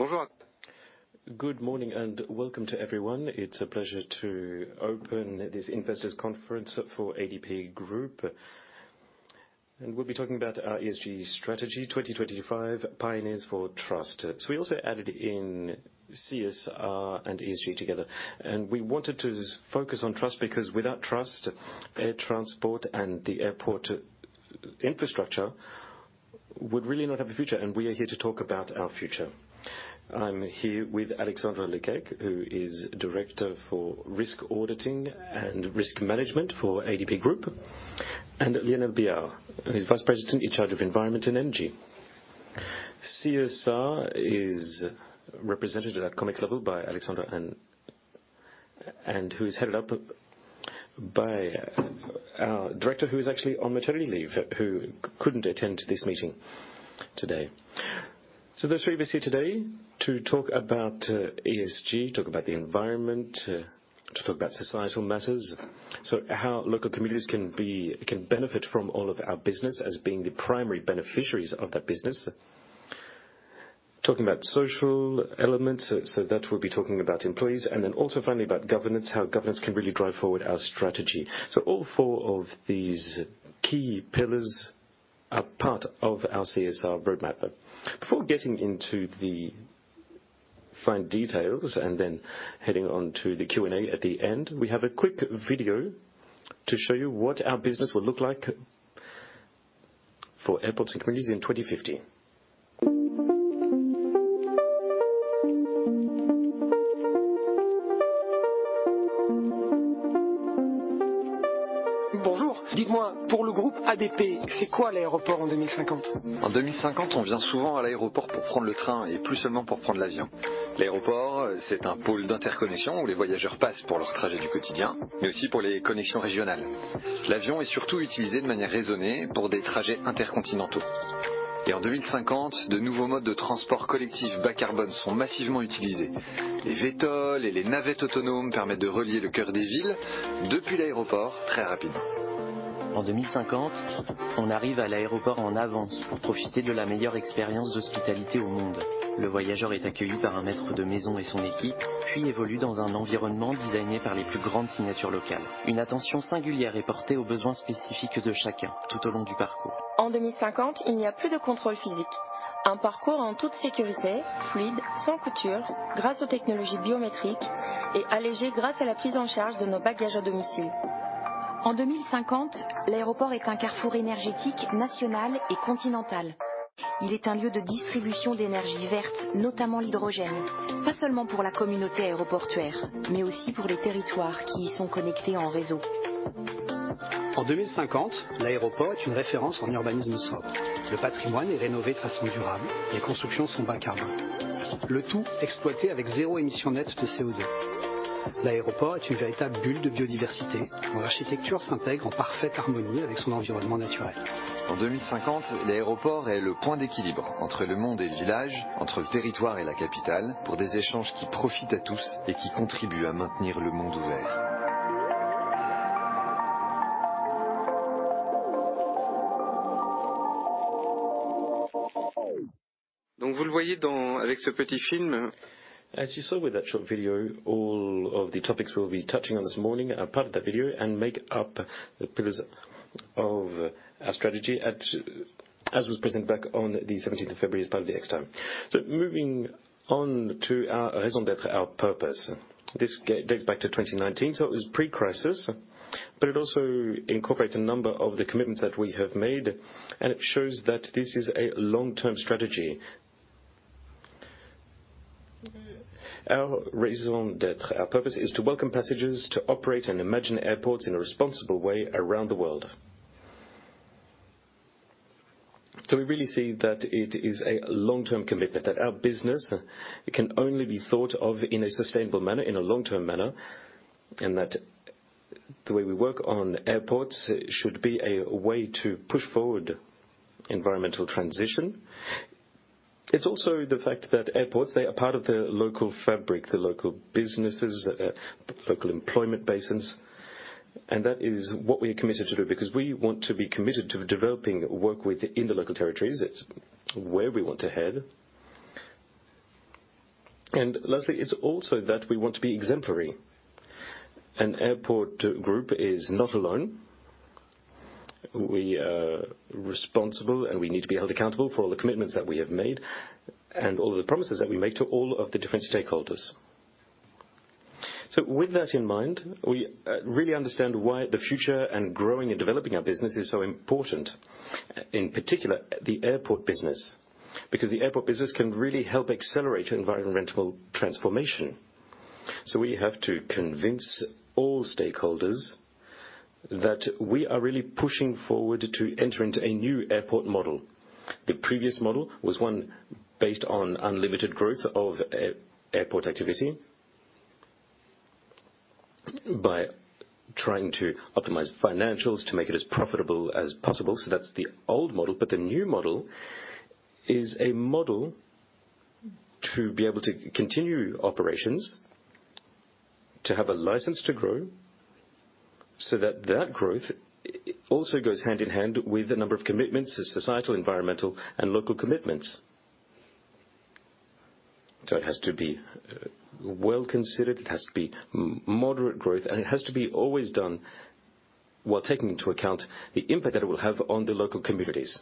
Bonjour. Good morning and welcome to everyone. It's a pleasure to open this investors' conference for ADP Group. We'll be talking about our ESG strategy 2025, pioneers for trust. We also added in CSR and ESG together, and we wanted to focus on trust because, without trust, air transport and the airport infrastructure would really not have a future, and we are here to talk about our future. I'm here with Alexandra Locquet, who is Director for Audit, Security and Risk Management for ADP Group, and Yannaël Billard, who is Vice President in charge of environment and energy. CSR is represented at a Comex level by Alexandra and Yannaël and is headed up by our director, who is actually on maternity leave and couldn't attend this meeting today. The three of us here today to talk about ESG, to talk about the environment, and to talk about societal matters. How local communities can benefit from all of our business as the primary beneficiaries of that business. Talking about social elements, we'll be talking about employees. Then, finally, about governance, how governance can really drive forward our strategy. All four of these key pillars are part of our CSR roadmap. Before getting into the fine details and then heading on to the Q&A at the end, we have a quick video to show you what our business will look like for airports and communities in 2050. As you saw with that short video, all of the topics we'll be touching on this morning are part of that video and make up the pillars of our strategy at, as was presented back on the seventeenth of February as part of the Extime. Moving on to our raison d'être, our purpose. This dates back to 2019, so it was pre-crisis, but it also incorporates a number of the commitments that we have made, and it shows that this is a long-term strategy. Our raison d'être, our purpose, is to welcome passengers to operate and imagine airports in a responsible way around the world. We really see that it is a long-term commitment, that our business can only be thought of in a sustainable manner, in a long-term manner, and that the way we work on airports should be a way to push forward environmental transition. It's also the fact that airports are part of the local fabric, the local businesses, local employment basins, and that is what we are committed to do because we want to be committed to developing work within the local territories. It's where we want to head. Lastly, it's also that we also want to be exemplary. An airport group is not alone. We are responsible, and we need to be held accountable for all the commitments that we have made and all the promises that we make to all of the different stakeholders. With that in mind, we really understand why the future and growing and developing our business is so important, in particular the airport business, because the airport business can really help accelerate environmental transformation. We have to convince all stakeholders that we are really pushing forward to enter into a new airport model. The previous model was one based on the unlimited growth of airport activity by trying to optimize financials to make it as profitable as possible. That's the old model, but the new model is a model to be able to continue operations to have a license to grow so that that growth also goes hand in hand with the number of commitments to societal, environmental, and local commitments. It has to be well-considered, it has to be moderate growth, and it has to be always done while taking into account the impact that it will have on the local communities.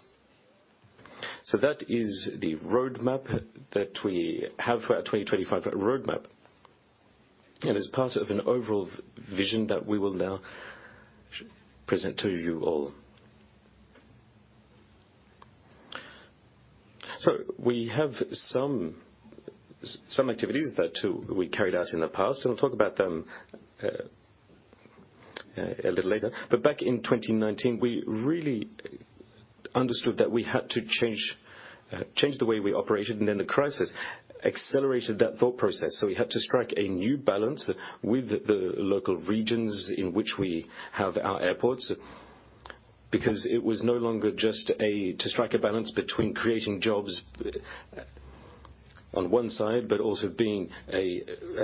That is the roadmap that we have for our 2025 roadmap, and it is part of an overall vision that we will now present to you all. We have some activities that we carried out in the past, and we'll talk about them a little later. Back in 2019, we really understood that we had to change the way we operated, and then the crisis accelerated that thought process. We had to strike a new balance with the local regions in which we have our airports, because it was no longer to strike a balance between creating jobs on one side, but also being a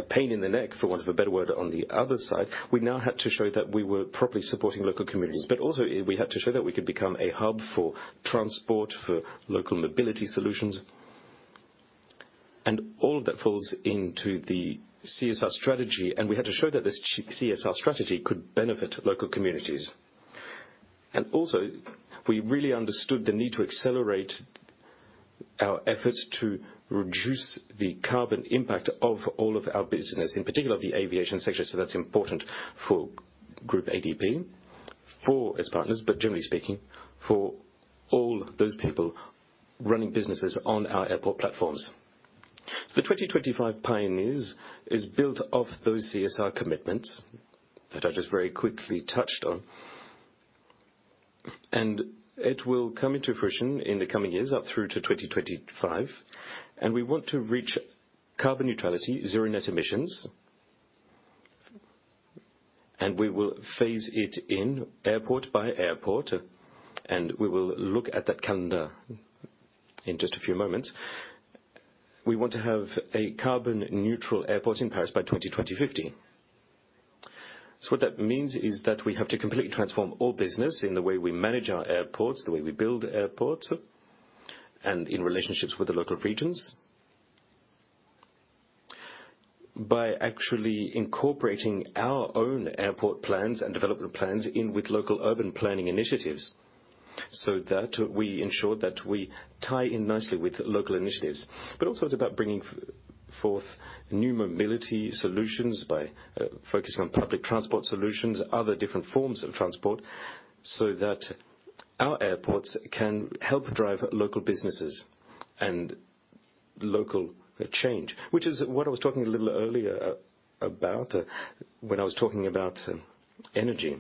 pain in the neck, for want of a better word, on the other side. We now had to show that we were properly supporting local communities, but also we had to show that we could become a hub for transport, for local mobility solutions. All of that falls into the CSR strategy. We had to show that this CSR strategy could benefit local communities. We really understood the need to accelerate our efforts to reduce the carbon impact of all of our business, in particular the aviation sector. That's important for Group ADP, for its partners, but generally speaking, for all those people running businesses on our airport platforms. The 2025 pioneers are built on those CSR commitments that I just very quickly touched on, and it will come into fruition in the coming years up through to 2025. We want to reach carbon neutrality, zero net emissions, and we will phase it in airport by airport, and we will look at that calendar in just a few moments. We want to have a carbon-neutral airport in Paris by 2050. What that means is that we have to completely transform all business in the way we manage our airports, the way we build airports, and in relationships with the local regions, by actually incorporating our own airport plans and development plans into local urban planning initiatives, so that we ensure that we tie in nicely with local initiatives. Also, it's about bringing forth new mobility solutions by focusing on public transport solutions, other different forms of transport, so that our airports can help drive local businesses and local change, which is what I was talking a little earlier about when I was talking about energy.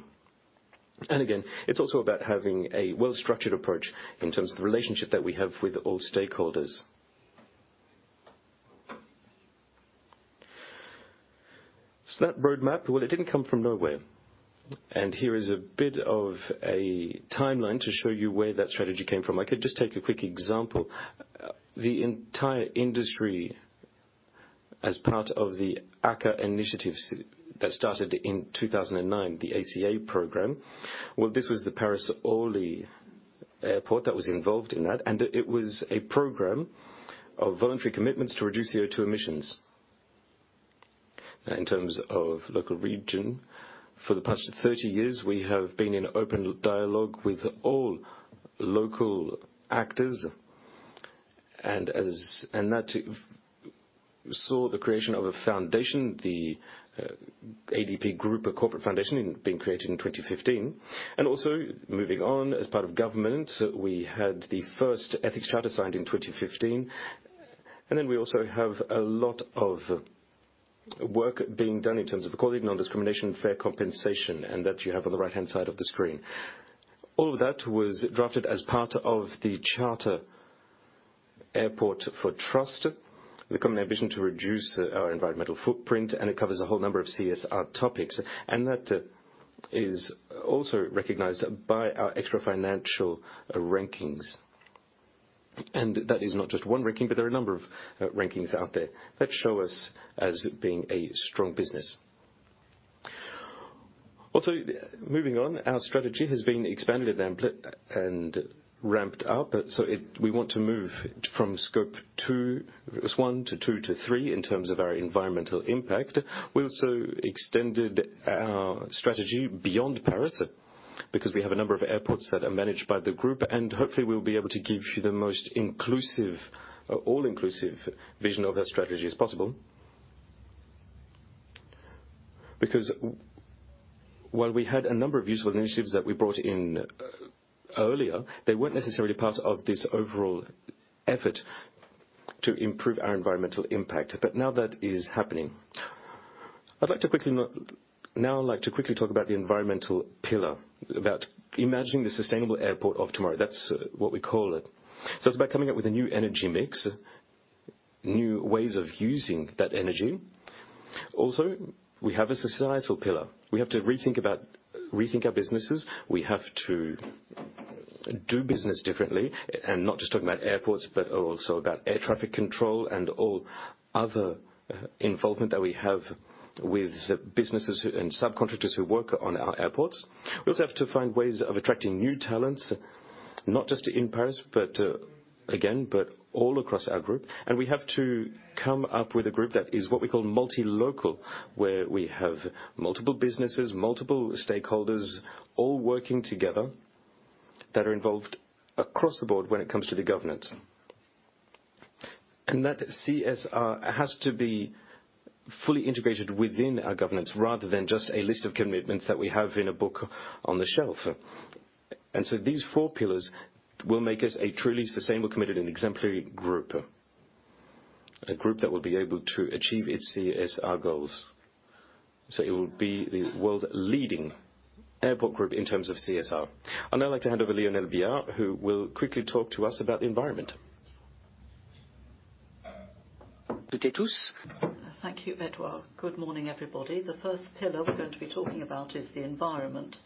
Again, it's also about having a well-structured approach in terms of the relationship that we have with all stakeholders. That roadmap, well, it didn't come from nowhere, and here is a bit of a timeline to show you where that strategy came from. I could just take a quick example. The entire industry, as part of the ACA initiatives that started in 2009, the ACA program, well, this was the Paris-Orly Airport that was involved in that, and it was a program of voluntary commitments to reduce CO2 emissions. Now, in terms of the local region, for the past 30 years, we have been in open dialogue with all local actors, and that saw the creation of a foundation, the ADP Group, a corporate foundation created in 2015. Moving on as part of governance, we had the first ethics charter signed in 2015, and then we also have a lot of work being done in terms of equality, non-discrimination, fair compensation, and that you have on the right-hand side of the screen. All of that was drafted as part of the Charter Airport for Trust, the common ambition to reduce our environmental footprint, and it covers a whole number of CSR topics, and that is also recognized by our extra-financial rankings. That is not just one ranking, but there are a number of rankings out there that show us as being a strong business. Our strategy has been expanded and ramped up; we want to move from Scope One to Two to Three in terms of our environmental impact. We also extended our strategy beyond Paris because we have a number of airports that are managed by the group, and hopefully we'll be able to give you the most inclusive, all-inclusive vision of that strategy as possible. Because while we had a number of useful initiatives that we brought in earlier, they weren't necessarily part of this overall effort to improve our environmental impact. Now that is happening. I'd like to quickly talk about the environmental pillar, about imagining the sustainable airport of tomorrow. That's what we call it. It's about coming up with a new energy mix, new ways of using that energy. Also, we have a societal pillar. We have to rethink our businesses. We have to do business differently, and not just talking about airports, but also about air traffic control and all other involvement that we have with businesses who, and subcontractors who work on our airports. We also have to find ways of attracting new talents, not just in Paris, but again, but all across our group. We have to come up with a group that is what we call multi-local, where we have multiple businesses, multiple stakeholders, all working together, that are involved across the board when it comes to the governance. That CSR has to be fully integrated within our governance, rather than just a list of commitments that we have in a book on the shelf. These four pillars will make us a truly sustainable, committed, and exemplary group. A group that will be able to achieve its CSR goals, so it will be the world's leading airport group in terms of CSR. I'd now like to hand over to Yannaël Billard, who will quickly talk to us about the environment. Thank you, Edward. Good morning, everybody. The first pillar we're going to be talking about is the environment.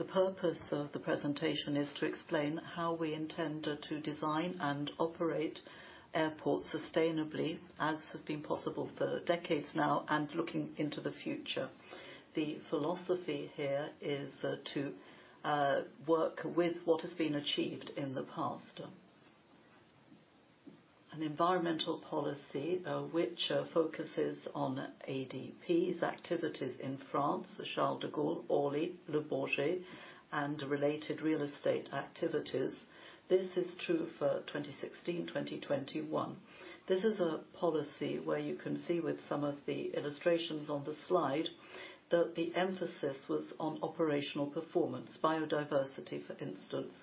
The purpose of the presentation is to explain how we intend to design and operate airports sustainably, as has been possible for decades now, and look into the future. The philosophy here is to work with what has been achieved in the past. An environmental policy that focuses on ADP's activities in France, Charles de Gaulle, Orly, Le Bourget, and related real estate activities. This is true for 2016, and 2021. This is a policy where you can see, with some of the illustrations on the slide, that the emphasis was on operational performance, biodiversity, for instance.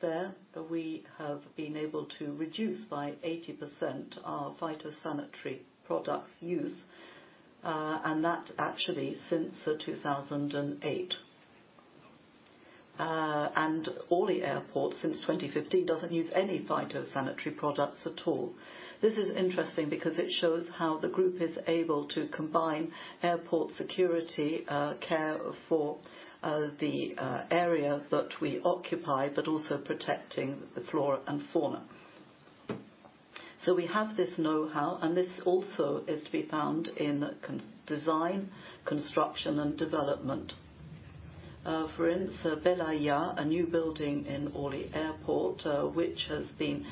There, we have been able to reduce by 80% our use of phytosanitary products, and that has actually since 2008. Orly Airport, since 2015, doesn't use any phytosanitary products at all. This is interesting because it shows how the group is able to combine airport security, care for the area that we occupy, but also protect the flora and fauna. We have this know-how, and this also is to be found in design, construction, and development. For instance, Bâtiment de Jonction, a new building in Orly Airport, which has been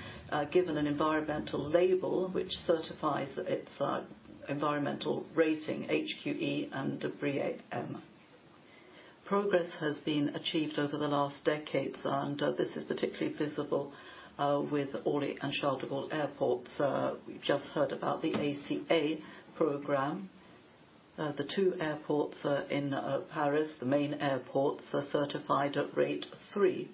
given an environmental label that certifies its environmental rating, HQE, and BREEAM. Progress has been achieved over the last few decades, and this is particularly visible with Orly and Charles de Gaulle airports. We've just heard about the ACA program. The two airports in Paris, the main airports, are certified at Level 3.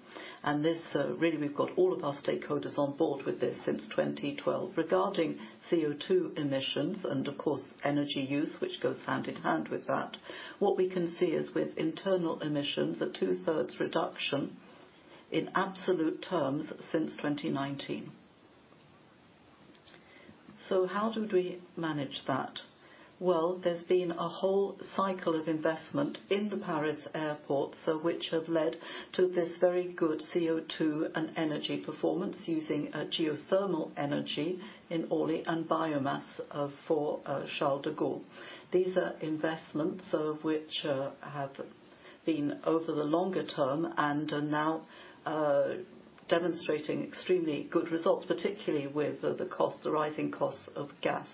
This, really, we've got all of our stakeholders on board with this since 2012. Regarding CO2 emissions and, of course, energy use, which goes hand in hand with that, what we can see is that with internal emissions, a two-thirds reduction in absolute terms since 2019. How did we manage that? Well, there's been a whole cycle of investment in the Paris airports, which has led to this very good CO2 and energy performance using geothermal energy in Orly and biomass for Charles de Gaulle. These are investments that have been made over the long-term and are now demonstrating extremely good results, particularly with the rising cost of gas.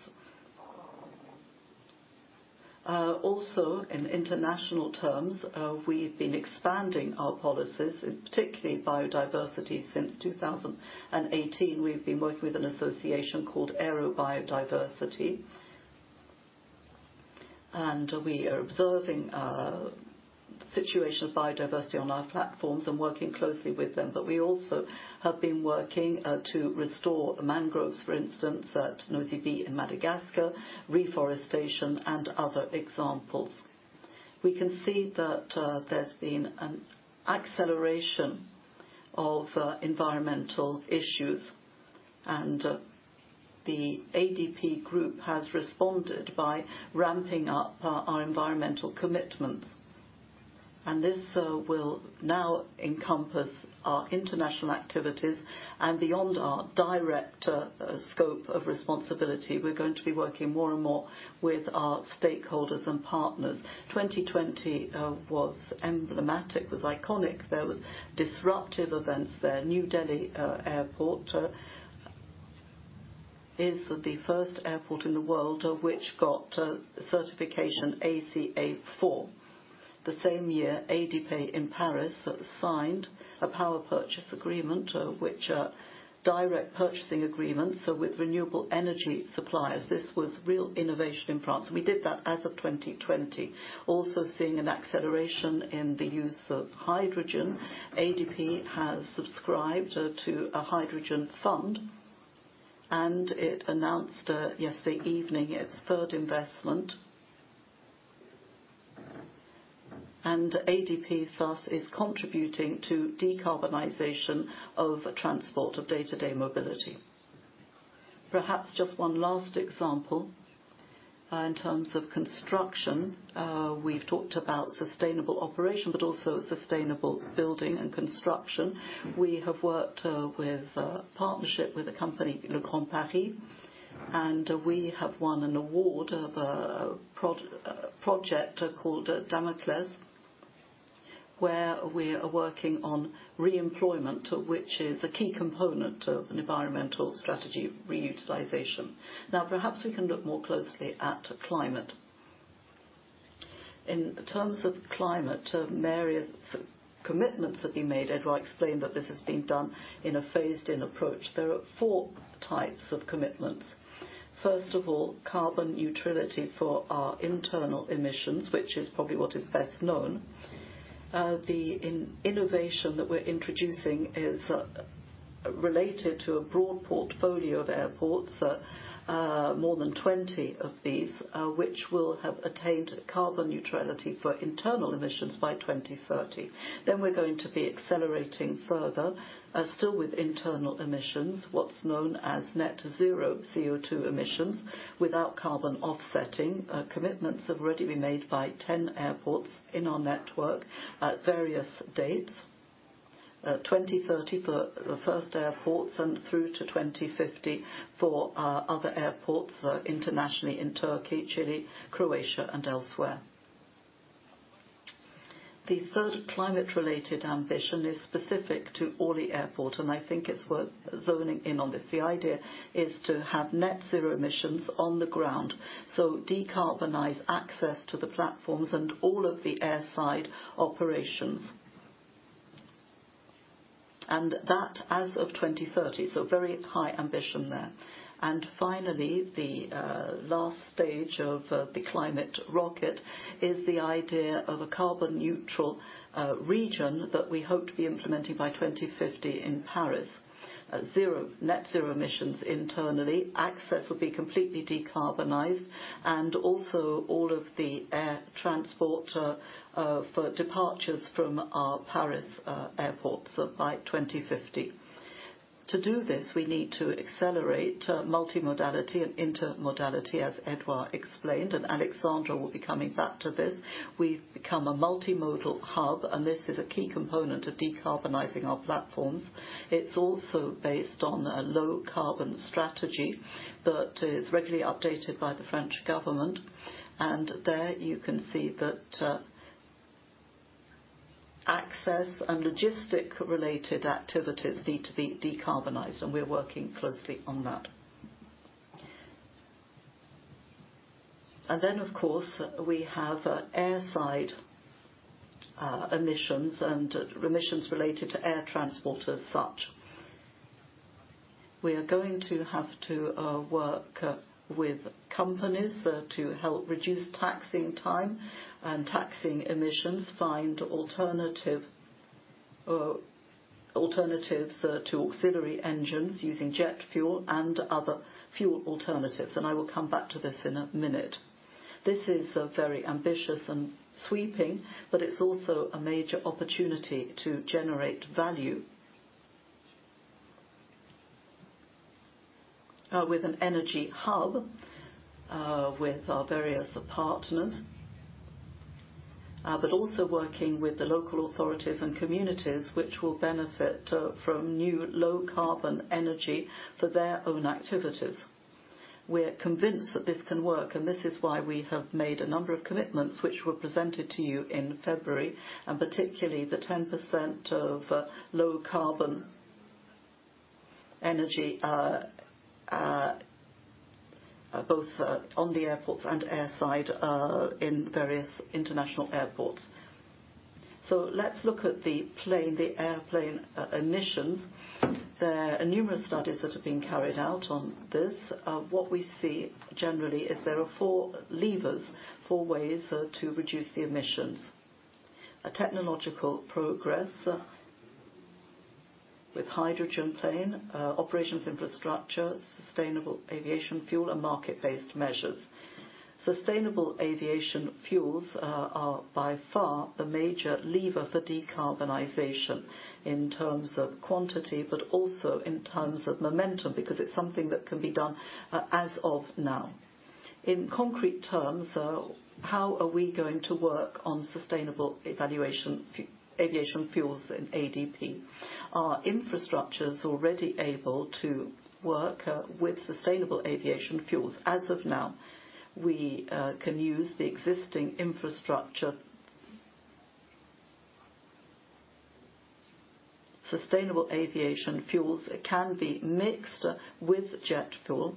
Also, in international terms, we've been expanding our policies, particularly in biodiversity. Since 2018, we've been working with an association called Aéro Biodiversité. We are observing the situation of biodiversity on our platforms and working closely with them. We have also been working to restore mangroves, for instance, at Nosy Be in Madagascar, reforestation, and other examples. We can see that there's been an acceleration of environmental issues, and the ADP Group has responded by ramping up our environmental commitments. This will now encompass our international activities, and beyond our direct scope of responsibility, we're going to be working more and more with our stakeholders and partners. 2020 was emblematic, was iconic. There were disruptive events there. New Delhi Airport is the first airport in the world to get certification ACA 4. The same year, ADP in Paris signed a power purchase agreement, which is a direct purchasing agreement, with renewable energy suppliers. This was real innovation in France. We did that as of 2020. Also seeing an acceleration in the use of hydrogen. ADP has subscribed to a hydrogen fund, and it announced yesterday evening its third investment. ADP thus is contributing to the decarbonization of transport for day-to-day mobility. Perhaps just one last example in terms of construction. We've talked about sustainable operation, but also sustainable building and construction. We have worked in partnership with a company, Société du Grand Paris, and we have won an award for a project called DÉMOCLÈS, where we are working on re-employment, which is a key component of an environmental strategy of reutilization. Now, perhaps we can look more closely at the climate. In terms of climate, various commitments have been made. Edward explained that this is being done in a phased-in approach. There are four types of commitments. First of all, carbon neutrality for our internal emissions, which is probably what is best known. The innovation that we're introducing is related to a broad portfolio of airports, more than 20 of these, which will have attained carbon neutrality for internal emissions by 2030. We're going to be accelerating further, still with internal emissions, what's known as net zero CO2 emissions without carbon offsetting. Commitments have already been made by 10 airports in our network at various dates. 2030 for the first airports and through to 2050 for other airports, internationally in Turkey, Chile, Croatia, and elsewhere. The third climate-related ambition is specific to Orly Airport, and I think it's worth zooming in on this. The idea is to have net-zero emissions on the ground, so decarbonize access to the platforms and all of the airside operations. That as of 2030, so very high ambition there. Finally, the last stage of the climate rocket is the idea of a carbon-neutral region that we hope to be implementing by 2050 in Paris. Net zero emissions internally. Access will be completely decarbonized, and all of the air transport for departures from our Paris airports by 2050. To do this, we need to accelerate multimodality and intermodality, as Edward explained, and Alexandra will be coming back to this. We've become a multimodal hub, and this is a key component of decarbonizing our platforms. It's also based on a low-carbon strategy that is regularly updated by the French government. There, you can see that access and logistics-related activities need to be decarbonized, and we're working closely on that. Then, of course, we have airside emissions and emissions related to air transport as such. We are going to have to work with companies to help reduce taxiing time and taxiing emissions, find alternatives to auxiliary engines using jet fuel, and other fuel alternatives. I will come back to this in a minute. This is very ambitious and sweeping, but it's also a major opportunity to generate value. With an energy hub with our various partners, but also working with the local authorities and communities, which will benefit from new low-carbon energy for their own activities. We're convinced that this can work, and this is why we have made a number of commitments which were presented to you in February, and particularly the 10% of low carbon energy both on the airports and air side in various international airports. Let's look at the airplane emissions. There are numerous studies that have been carried out on this. What we see generally is that there are four levers, four ways to reduce the emissions. A technological progress with hydrogen plane, operations infrastructure, sustainable aviation fuel, and market-based measures. Sustainable aviation fuels are by far the major lever for decarbonization in terms of quantity, but also in terms of momentum, because it's something that can be done as of now. In concrete terms, how are we going to work on sustainable aviation fuels in ADP? Our infrastructure is already able to work with sustainable aviation fuels. As of now, we can use the existing infrastructure. Sustainable aviation fuels can be mixed with jet fuel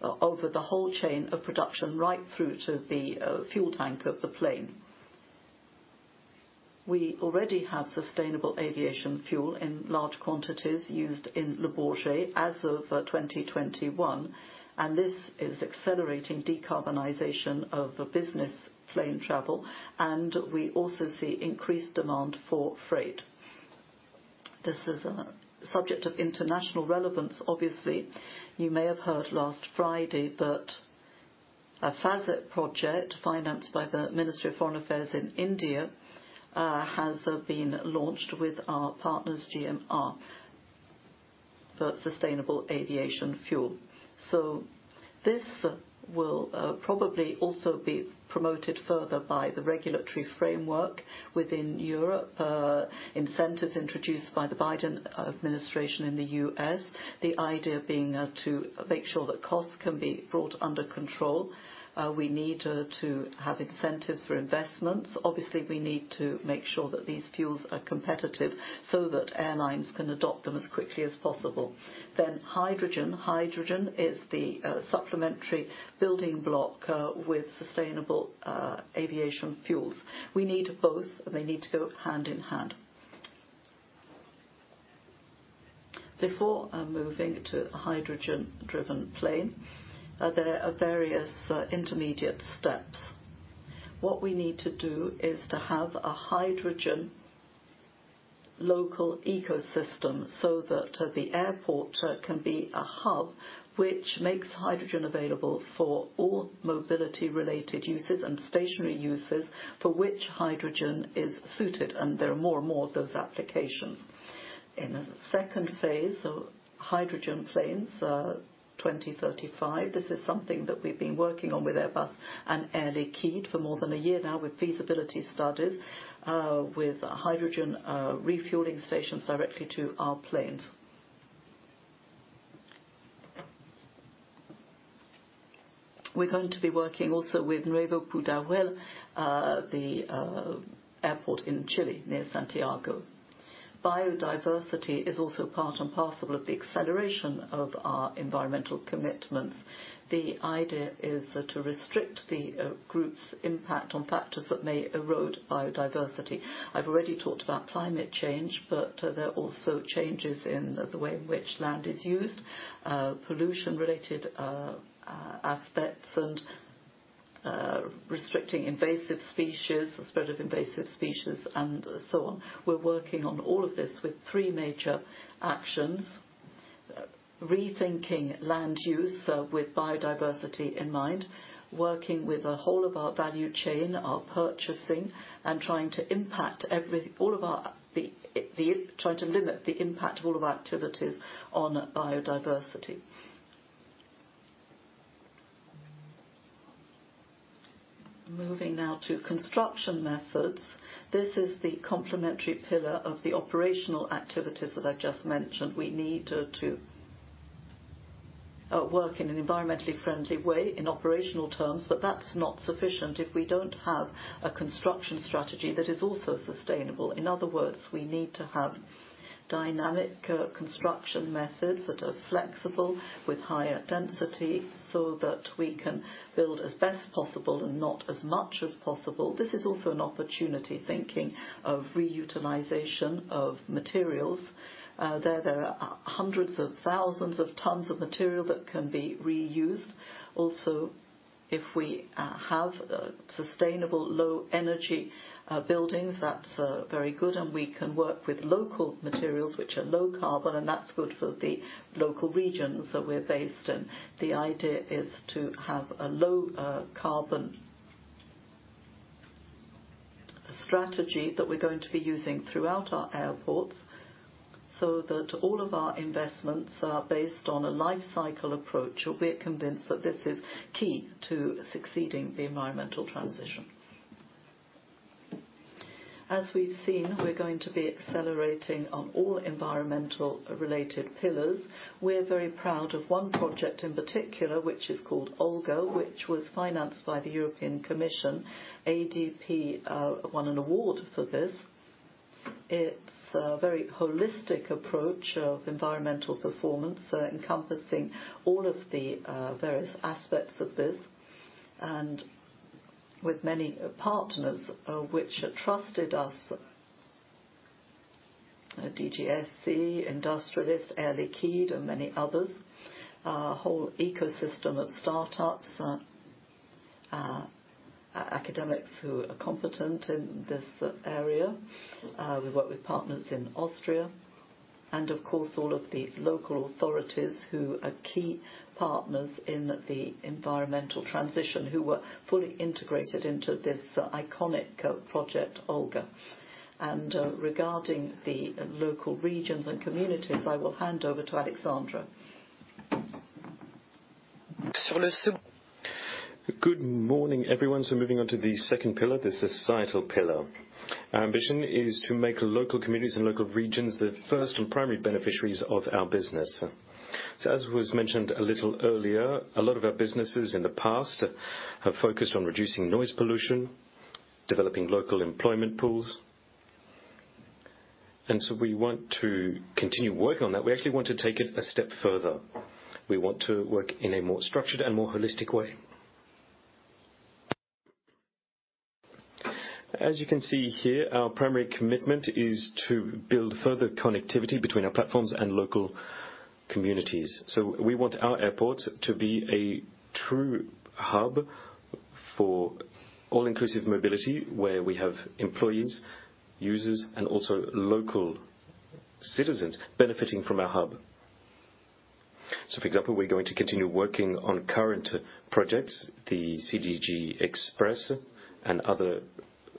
throughout the whole chain of production, right through to the fuel tank of the plane. We already have sustainable aviation fuel in large quantities used in Le Bourget as of 2021, and this is accelerating the decarbonization of business plane travel, and we also see increased demand for freight. This is a subject of international relevance, obviously. You may have heard last Friday that a FASEP project financed by the Ministry of Foreign Affairs in India has been launched with our partners GMR for sustainable aviation fuel. This will probably also be promoted further by the regulatory framework within Europe. Incentives introduced by the Biden administration in the U.S. the idea being to make sure that costs can be brought under control. We need to have incentives for investments. Obviously, we need to make sure that these fuels are competitive so that airlines can adopt them as quickly as possible. Then hydrogen. Hydrogen is a supplementary building block for sustainable aviation fuels. We need both. They need to go hand in hand. Before moving to a hydrogen-driven plane, there are various intermediate steps. What we need to do is to have a hydrogen local ecosystem, so that the airport can be a hub that makes hydrogen available for all mobility-related uses and stationary uses for which hydrogen is suited, and there are more and more of those applications. In the second phase of hydrogen planes, 2035. This is something that we've been working on with Airbus and Air Liquide for more than a year now, with feasibility studies with hydrogen refueling stations directly to our planes. We're going to be working also with Nuevo Pudahuel, the airport in Chile, near Santiago. Biodiversity is also part and parcel of the acceleration of our environmental commitments. The idea is to restrict the group's impact on factors that may erode biodiversity. I've already talked about climate change, but there are also changes in the way in which land is used, pollution-related aspects and restricting invasive species, the spread of invasive species, and so on. We're working on all of this with three major actions. Rethinking land use with biodiversity in mind, working with the whole of our value chain, our purchasing, and trying to limit the impact of all of our activities on biodiversity. Moving now to construction methods. This is the complementary pillar of the operational activities that I just mentioned. We need to work in an environmentally friendly way in operational terms, but that's not sufficient if we don't have a construction strategy that is also sustainable. In other words, we need to have dynamic construction methods that are flexible with higher density, so that we can build as best possible and not as much as possible. This is also an opportunity thinking of reutilization of materials. There are hundreds of thousands of tons of material that can be reused. Also, if we have sustainable low-energy buildings, that's very good, and we can work with local materials, which are low-carbon, and that's good for the local regions that we're based in. The idea is to have a low-carbon strategy that we're going to be using throughout our airports, so that all of our investments are based on a life-cycle approach. We're convinced that this is key to succeeding in the environmental transition. As we've seen, we're going to be accelerating on all environmental-related pillars. We're very proud of one project in particular, which is called OLGA, which was financed by the European Commission. ADP won an award for this. It's a very holistic approach of environmental performance, encompassing all of the various aspects of this, and with many partners who trusted us. DGAC, Industrials, Air Liquide, and many others. A whole ecosystem of startups, academics who are competent in this area. We work with partners in Austria and, of course, all of the local authorities who are key partners in the environmental transition, who were fully integrated into this iconic co-project, OLGA. Regarding the local regions and communities, I will hand over to Alexandra. Good morning, everyone. Moving on to the second pillar, the societal pillar. Our ambition is to make local communities and local regions the first and primary beneficiaries of our business. As was mentioned a little earlier, a lot of our businesses in the past have focused on reducing noise pollution, developing local employment pools, and so we want to continue working on that. We actually want to take it a step further. We want to work in a more structured and holistic way. As you can see here, our primary commitment is to build further connectivity between our platforms and local communities. We want our airports to be a true hub for all-inclusive mobility where we have employees, users, and also local citizens benefiting from our hub. For example, we're going to continue working on current projects, the CDG Express and other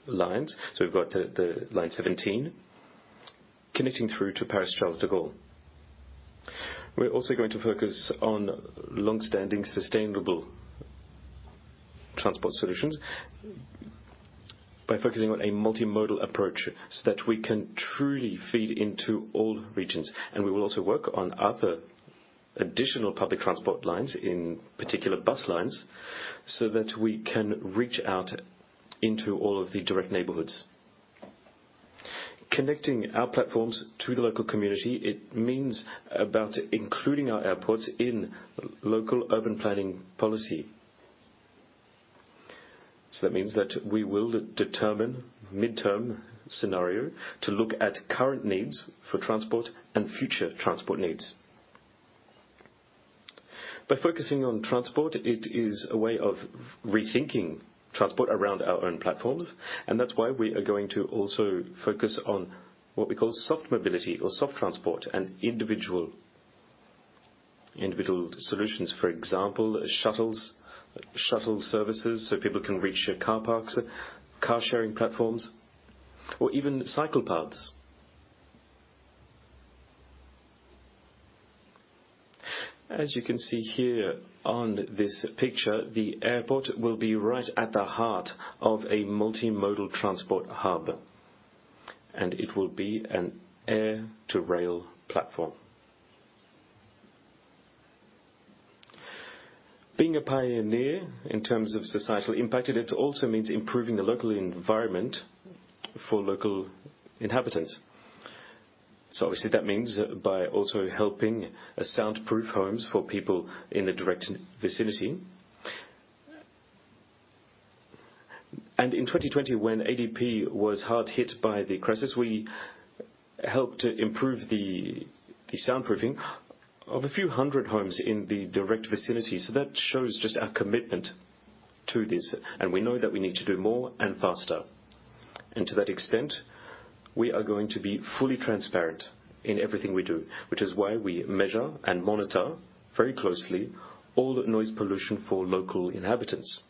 lines. We've got the Line 17 connecting through to Paris-Charles de Gaulle. We're also going to focus on long-standing sustainable transport solutions by focusing on a multimodal approach so that we can truly feed into all regions. We will also work on other additional public transport lines, in particular bus lines, so that we can reach out into all of the direct neighborhoods. Connecting our platforms to the local community, it means about including our airports in local urban planning policy. That means that we will determine midterm scenario to look at current needs for transport and future transport needs. By focusing on transport, it is a way of rethinking transport around our own platforms, and that's why we are going to also focus on what we call soft mobility or soft transport and individual solutions. For example, shuttles, shuttle services, so people can reach car parks, car sharing platforms, or even cycle paths. As you can see here on this picture, the airport will be right at the heart of a multimodal transport hub, and it will be an air to rail platform. Being a pioneer in terms of societal impact, it also means improving the local environment for local inhabitants. Obviously, that means by also helping soundproof homes for people in the direct vicinity. In 2020, when ADP was hard hit by the crisis, we helped improve the soundproofing of a few hundred homes in the direct vicinity. That shows just our commitment to this, and we know that we need to do more and faster. To that extent, we are going to be fully transparent in everything we do, which is why we measure and monitor all noise pollution for local inhabitants.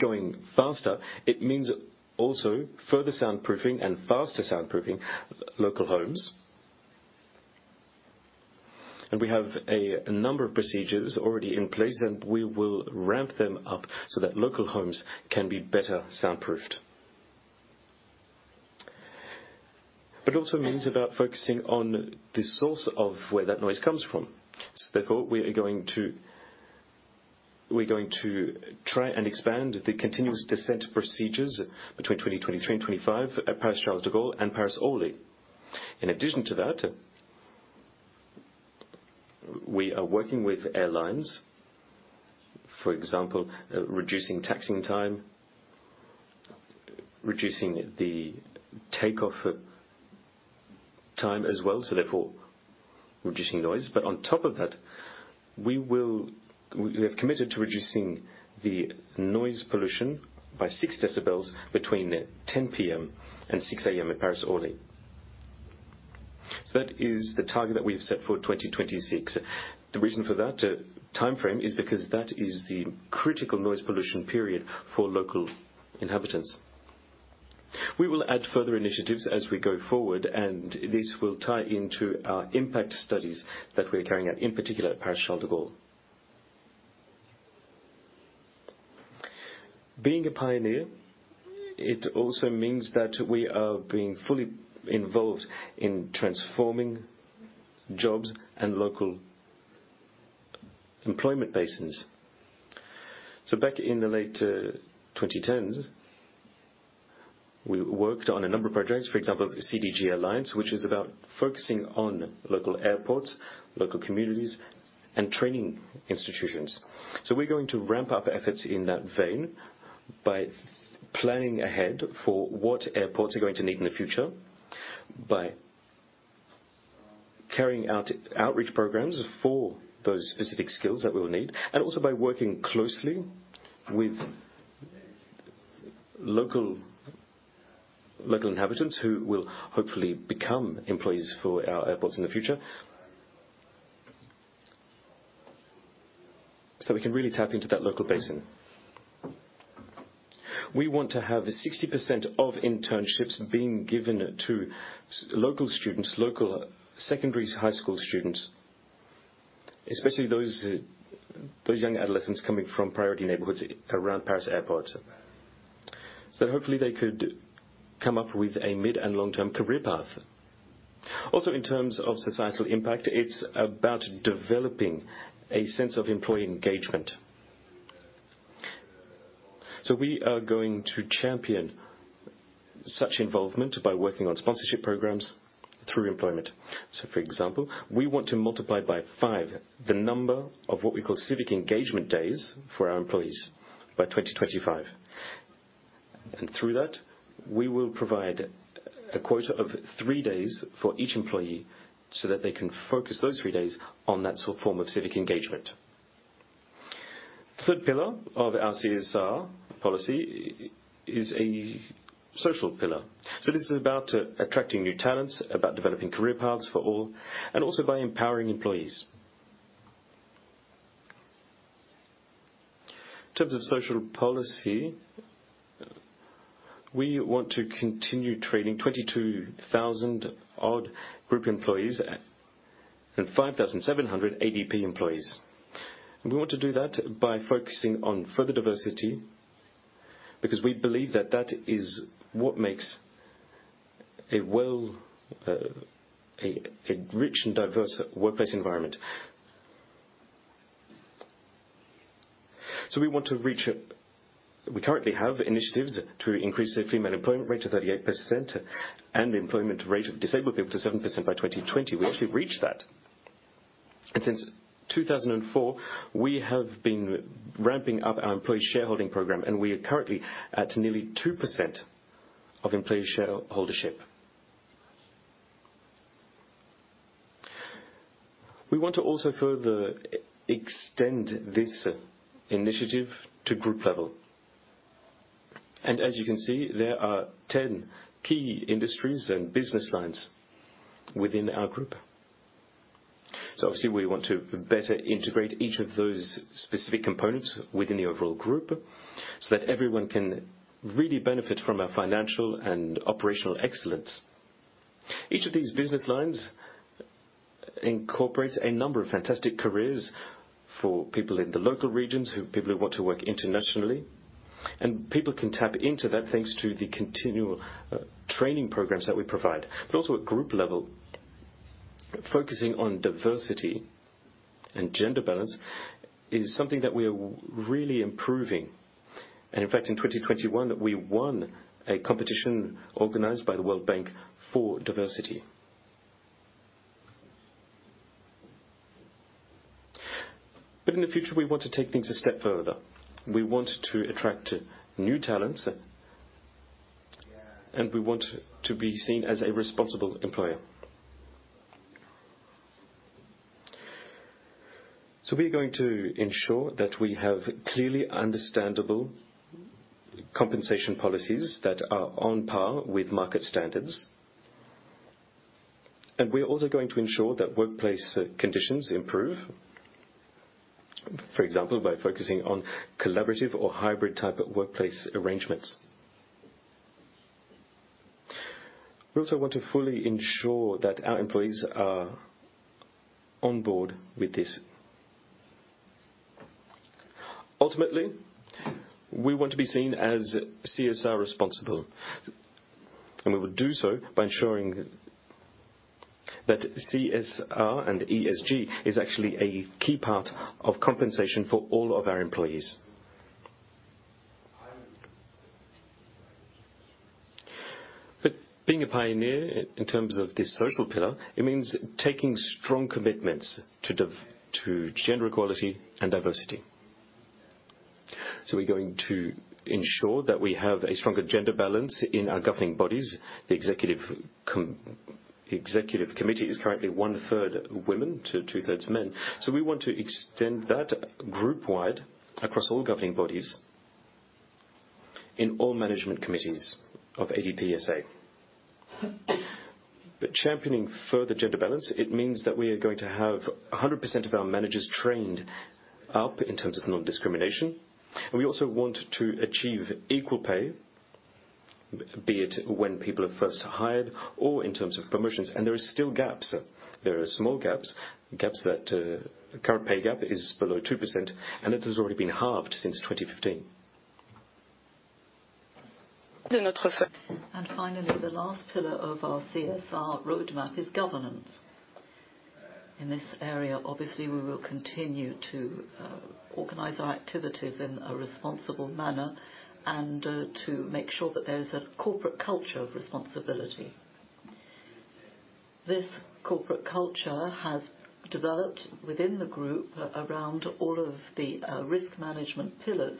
Going faster, it means also further soundproofing and faster soundproofing of local homes. We have a number of procedures already in place, and we will ramp them up so that local homes can be better soundproofed. It also means focusing on the source of where that noise comes from. Therefore, we're going to try to expand the continuous descent procedures between 2023 and 2025 at Paris-Charles de Gaulle and Paris-Orly. In addition to that, we are working with airlines, for example, reducing taxiing time, reducing the takeoff time as well, therefore reducing noise. On top of that, we have committed to reducing the noise pollution by six decibels between 10:00 P.M. and 6:00 A.M. at Paris-Orly. That is the target that we have set for 2026. The reason for that timeframe is because that is the critical noise pollution period for local inhabitants. We will add further initiatives as we go forward, and this will tie into our the impact studies that we're carrying out, in particular at Paris-Charles de Gaulle. Being a pioneer also means that we are being fully involved in transforming jobs and local employment basins. Back in the late 2010s, we worked on a number of projects, for example, CDG Alliance, which is about focusing on local airports, local communities, and training institutions. We're going to ramp up efforts in that vein by planning ahead for what airports are going to need in the future, by carrying out outreach programs for those specific skills that we'll need, and also by working closely with local inhabitants who will hopefully become employees for our airports in the future. We can really tap into that local basin. We want to have 60% of internships being given to local students, local secondary high school students, especially those young adolescents coming from priority neighborhoods around Paris airports. Hopefully, they could come up with a mid and long-term career path. Also, in terms of societal impact, it's about developing a sense of employee engagement. We are going to champion such involvement by working on sponsorship programs through employment. For example, we want to multiply by five the number of what we call civic engagement days for our employees by 2025. Through that, we will provide a quota of three days for each employee, so that they can focus those three days on that sort of form of civic engagement. The third pillar of our CSR policy is the social pillar. This is about attracting new talent, about developing career paths for all, and also about empowering employees. In terms of social policy, we want to continue training 22,000-odd group employees and 5,700 ADP employees. We want to do that by focusing on further diversity, because we believe that is what makes a rich and diverse workplace environment. We want to reach it. We currently have initiatives to increase the female employment rate to 38% and the employment rate of disabled people to 7% by 2020. We actually reached that. Since 2004, we have been ramping up our employee shareholding program, and we are currently at nearly 2% of employee shareholdership. We also want to further extend this initiative to the group level. As you can see, there are 10 key industries and business lines within our group. Obviously, we want to better integrate each of those specific components within the overall group so that everyone can really benefit from our financial and operational excellence. Each of these business lines incorporates a number of fantastic careers for people in the local regions who want to work internationally. People can tap into that, thanks to the continual training programs that we provide. Also at the group level, focusing on diversity and gender balance is something that we are really improving. In fact, in 2021, we won a competition organized by the World Bank for diversity. In the future, we want to take things a step further. We want to attract new talent, and we want to be seen as a responsible employer. We're going to ensure that we have clearly understandable compensation policies that are on par with market standards. We are also going to ensure that workplace conditions improve, for example, by focusing on collaborative or hybrid type of workplace arrangements. We also want to fully ensure that our employees are on board with this. Ultimately, we want to be seen as CSR responsible, and we will do so by ensuring that CSR and ESG is actually a key part of compensation for all of our employees. Being a pioneer in terms of this social pillar, it means taking strong commitments to gender equality and diversity. We're going to ensure that we have a stronger gender balance in our governing bodies. The executive committee is currently one third women to two-thirds men. We want to extend that group-wide across all governing bodies in all management committees of ADP SA. Championing further gender balance, it means that we are going to have 100% of our managers trained up in terms of non-discrimination. We also want to achieve equal pay, be it when people are first hired or in terms of promotions. There are still gaps. There are small gaps. Gaps that current pay gap is below 2%, and it has already been halved since 2015. Finally, the last pillar of our CSR roadmap is governance. In this area, obviously, we will continue to organize our activities in a responsible manner and to make sure that there is a corporate culture of responsibility. This corporate culture has developed within the group around all of the risk management pillars.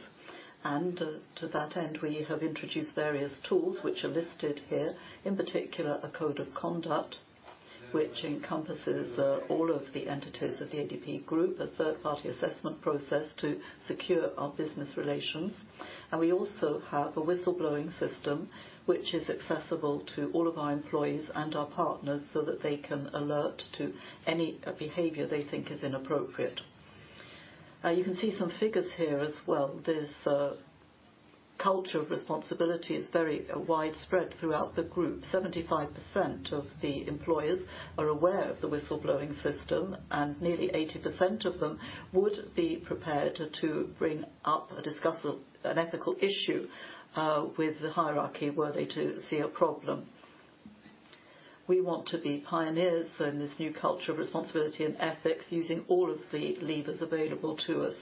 To that end, we have introduced various tools, which are listed here. In particular, a code of conduct, which encompasses all of the entities of the ADP group, and a third-party assessment process to secure our business relations. We also have a whistleblowing system, which is accessible to all of our employees and our partners, so that they can alert us to any behavior they think is inappropriate. You can see some figures here as well. This culture of responsibility is very widespread throughout the group. 75% of the employers are aware of the whistleblowing system, and nearly 80% of them would be prepared to bring up an ethical issue with the hierarchy were they to see a problem. We want to be pioneers in this new culture of responsibility and ethics, using all of the levers available to us.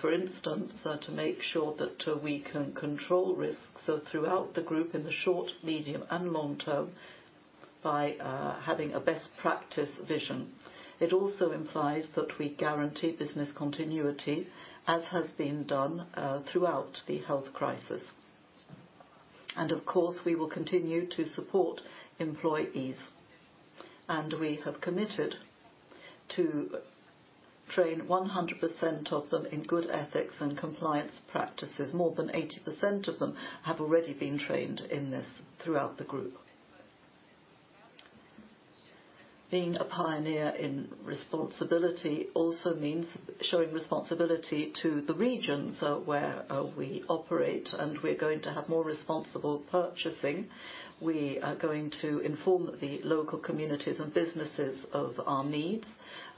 For instance, to make sure that we can control risks throughout the group in the short, medium, and long term. By having a best practice vision. It also implies that we guarantee business continuity, as has been done throughout the health crisis. Of course, we will continue to support employees, and we have committed to train 100% of them in good ethics and compliance practices. More than 80% of them have already been trained in this throughout the group. Being a pioneer in responsibility also means showing responsibility to the regions where we operate, and we're going to have more responsible purchasing. We are going to inform the local communities and businesses of our needs,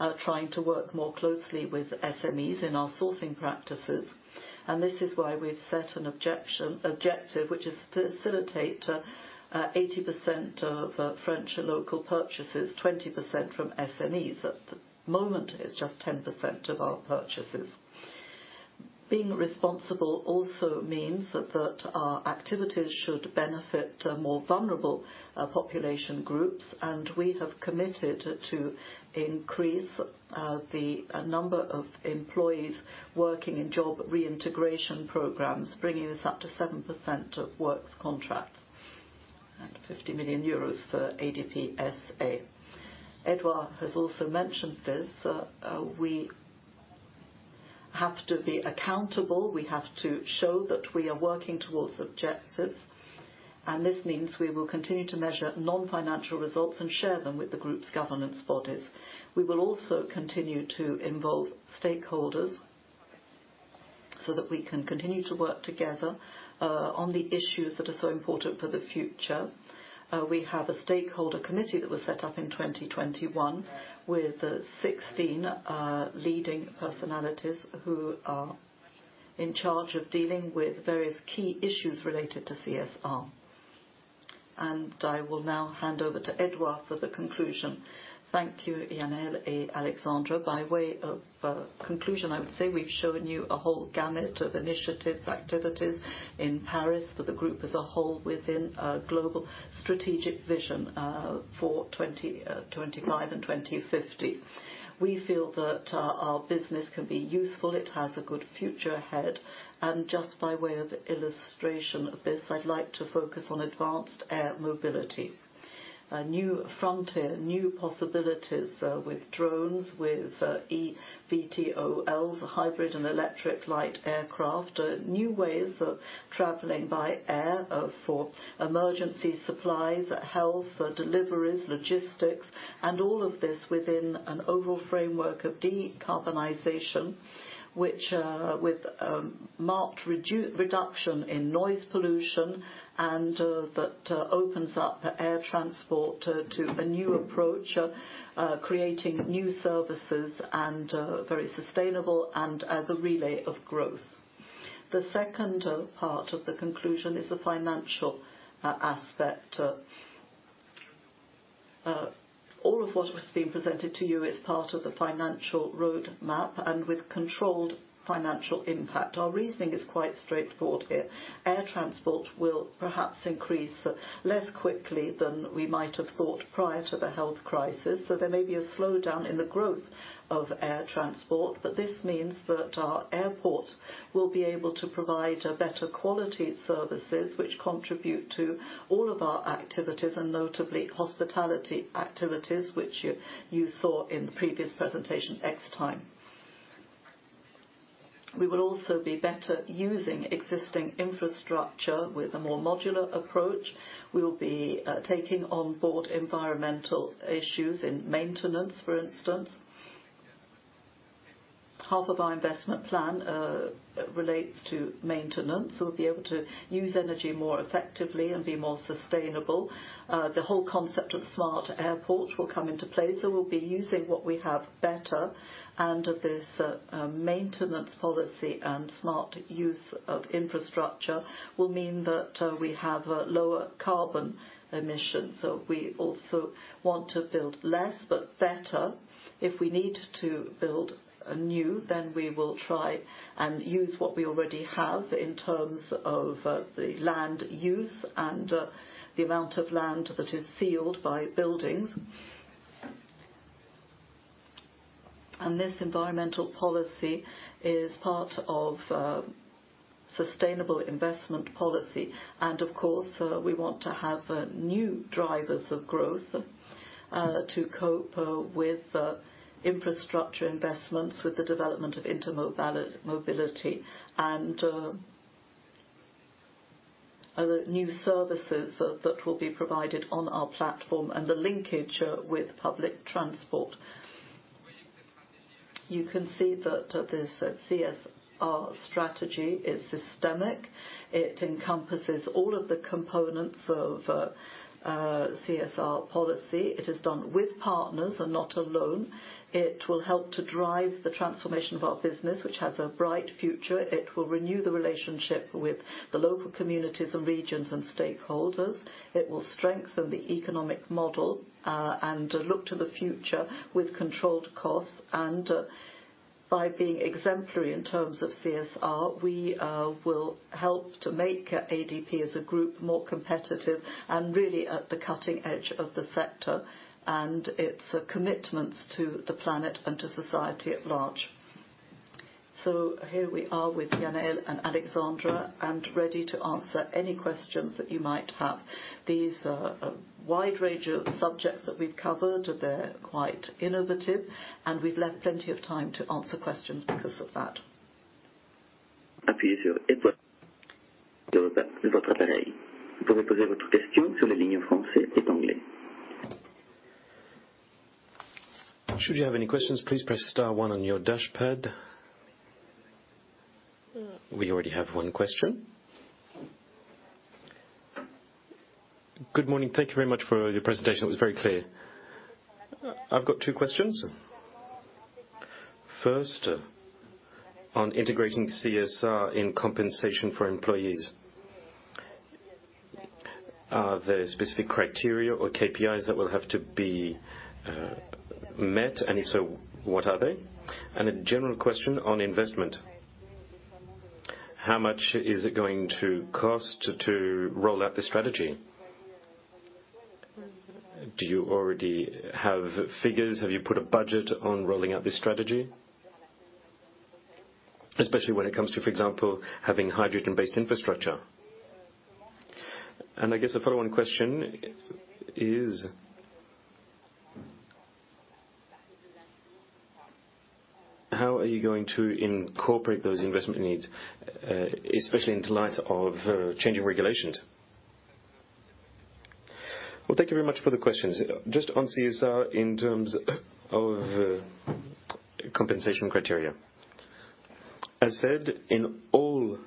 and we are trying to work more closely with SMEs in our sourcing practices. This is why we've set an objective, to facilitate 80% of French local purchases, 20% from SMEs. At the moment, it's just 10% of our purchases. Being responsible also means that our activities should benefit more vulnerable population groups, and we have committed to increasing the number of employees working in job reintegration programs, bringing this up to 7% of works contracts, and 50 million euros for ADP SA. Edward has also mentioned this; we have to be accountable. We have to show that we are working towards objectives, and this means we will continue to measure non-financial results and share them with the group's governance bodies. We will also continue to involve stakeholders so that we can continue to work together on the issues that are so important for the future. We have a stakeholder committee that was set up in 2021 with 16 leading personalities who are in charge of dealing with various key issues related to CSR. I will now hand over to Edward Arkwright for the conclusion. Thank you, Yannaël and Alexandra. By way of conclusion, I would say we've shown you a whole gamut of initiatives, and activities in Paris for the group as a whole within a global strategic vision for 2025 and 2050. We feel that our business can be useful. It has a good future ahead, and just by way of illustration of this, I'd like to focus on advanced air mobility. A new frontier, new possibilities, with drones, EVTOLs, hybrid, and electric light aircraft. New ways of traveling by air, for emergency supplies, health, deliveries, logistics, and all of this within an overall framework of decarbonization, which, with a marked reduction in noise pollution opens up air transport to a new approach, creating new services and very sustainable, and as a relay of growth. The second part of the conclusion is the financial aspect. All of what has been presented to you is part of the financial road map and with controlled financial impact. Our reasoning is quite straightforward here. Air transport will perhaps increase less quickly than we might have thought prior to the health crisis, so there may be a slowdown in the growth of air transport, but this means that our airports will be able to provide better quality services, which contribute to all of our activities, and notably hospitality activities, which you saw in the previous presentation, Extime. We will also be better using existing infrastructure with a more modular approach. We will be taking on board environmental issues in maintenance, for instance. Half of our investment plan relates to maintenance. We'll be able to use energy more effectively and be more sustainable. The whole concept of smart airport will come into play, so we'll be using what we have better. This maintenance policy and smart use of infrastructure will mean that we have lower carbon emissions, so we also want to build less but better. If we need to build anew, we will try and use what we already have in terms of the land use and the amount of land that is sealed by buildings. This environmental policy is part of sustainable investment policy. Of course, we want to have new drivers of growth to cope with infrastructure investments, with the development of intermodal mobility and new services that will be provided on our platform and the linkage with public transport. You can see that this CSR strategy is systemic. It encompasses all of the components of CSR policy. It is done with partners and not alone. It will help to drive the transformation of our business, which has a bright future. It will renew the relationship with the local communities and regions and stakeholders. It will strengthen the economic model and look to the future with controlled costs and. By being exemplary in terms of CSR, we will help to make ADP as a group more competitive and really at the cutting edge of the sector and its commitments to the planet and to society at large. Here we are with Yannaël and Alexandra and ready to answer any questions that you might have. These are a wide range of subjects that we've covered. They're quite innovative, and we've left plenty of time to answer questions because of that. Good morning. Thank you very much for your presentation. It was very clear. I've got two questions. First, on integrating CSR in compensation for employees. Are there specific criteria or KPIs that will have to be met, and if so, what are they? And a general question on investment. How much is it going to cost to roll out the strategy? Do you already have figures? Have you put a budget on rolling out this strategy, especially when it comes to, for example, having hydrogen-based infrastructure? And I guess a follow-on question is, how are you going to incorporate those investment needs, especially in light of changing regulations? Well, thank you very much for the questions. Just on CSR in terms of compensation criteria. As said, in all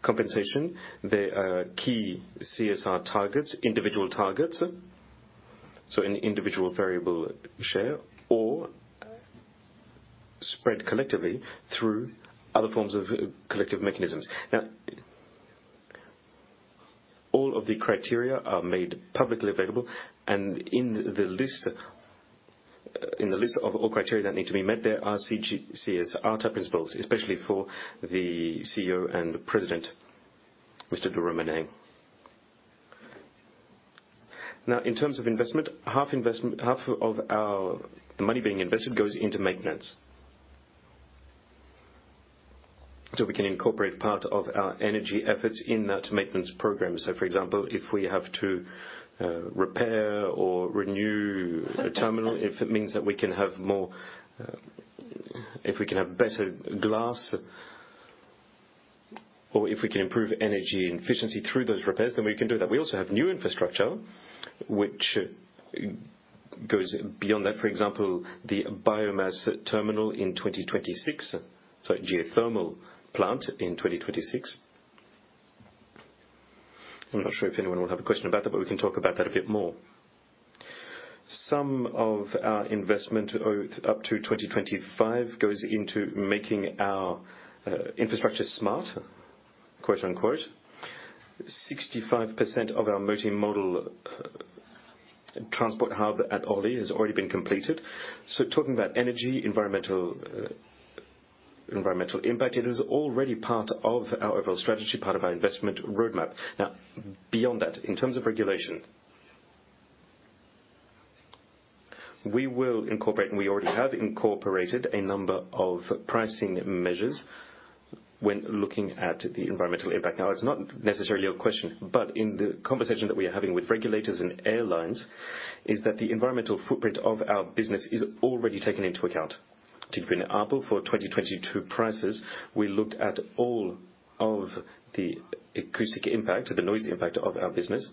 compensation, there are key CSR targets, individual targets, so an individual variable share or spread collectively through other forms of collective mechanisms. Now, all of the criteria are made publicly available, and in the list of all criteria that need to be met, there are CSR principles, especially for the CEO and President, Mr. de Romanet. Now, in terms of investment, half of our money being invested goes into maintenance. We can incorporate part of our energy efforts in that maintenance program. For example, if we have to repair or renew a terminal, if it means that we can have better glass, or if we can improve energy efficiency through those repairs, then we can do that. We also have new infrastructure, which goes beyond that. For example, the biomass terminal in 2026. Sorry, the geothermal plant in 2026. I'm not sure if anyone will have a question about that, but we can talk about that a bit more. Some of our investment plan up to 2025 goes into making our infrastructure smart, quote-unquote. 65% of our multimodal transport hub at Orly has already been completed. Talking about energy, environmental impact, it is already part of our overall strategy, part of our investment roadmap. Now, beyond that, in terms of regulation, we will incorporate, and we already have incorporated a number of pricing measures when looking at the environmental impact. Now, it's not necessarily your question, but in the conversation that we are having with regulators and airlines is that the environmental footprint of our business is already taken into account. To give you an example, for 2022 prices, we looked at all of the acoustic impact, the noise impact of our business,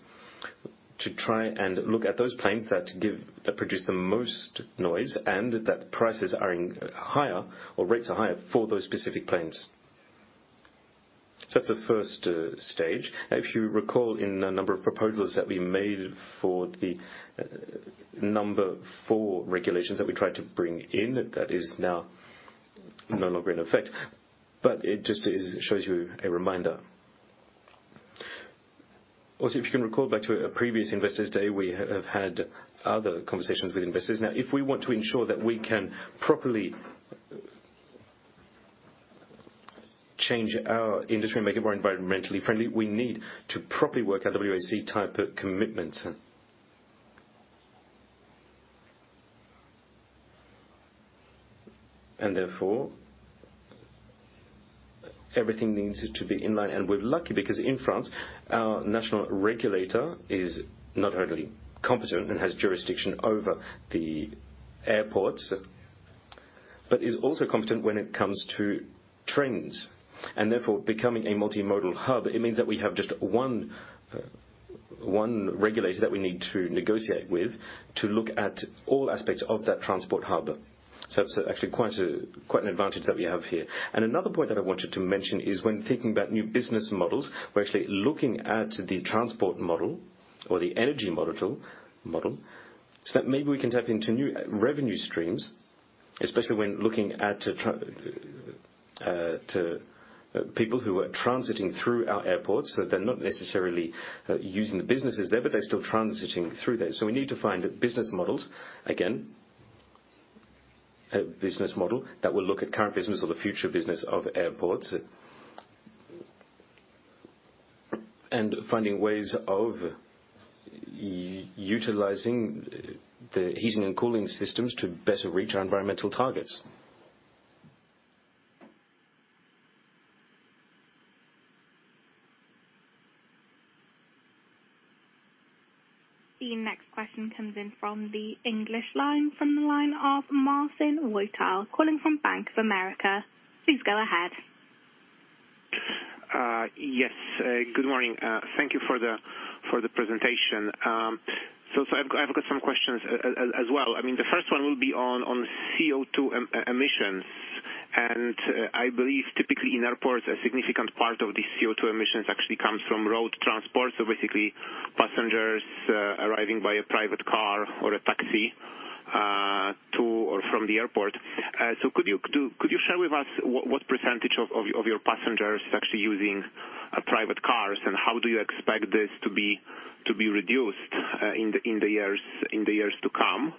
to try and look at those planes that produce the most noise and that prices are higher or rates are higher for those specific planes. That's the first stage. If you recall in a number of proposals that we made for the ERA 4 regulations that we tried to bring in, that is now no longer in effect, but it just is a reminder. If you can recall back to a previous investors day, we have had other conversations with investors. If we want to ensure that we can properly change our industry and make it more environmentally friendly, we need to properly work our WACC-type of commitments. Therefore, everything needs to be in line. We're lucky because in France, our national regulator is not only competent and has jurisdiction over the airports, but is also competent when it comes to trains, and therefore becoming a multimodal hub. It means that we have just one regulator that we need to negotiate with to look at all aspects of that transport hub. It's actually quite a, quite an advantage that we have here. Another point that I wanted to mention is when thinking about new business models, we're actually looking at the transport model or the energy model, so that maybe we can tap into new revenue streams, especially when looking at tr To people who are transiting through our airports, so they're not necessarily using the businesses there, but they're still transiting through there. We need to find business models, again, a business model that will look at current business or the future business of airports. Finding ways of utilizing the heating and cooling systems to better reach our environmental targets. The next question comes in from the English line, from the line of Marcin Wojtal, calling from Bank of America. Please go ahead. Yes. Good morning. Thank you for the presentation. I've got some questions as well. I mean, the first one will be on CO2 emissions. I believe that, typically in airports, a significant part of the CO2 emissions actually comes from road transport, so basically, passengers arriving by a private car or a taxi to or from the airport. Could you share with us what percentage of your passengers is actually using private cars? How do you expect this to be reduced in the years to come?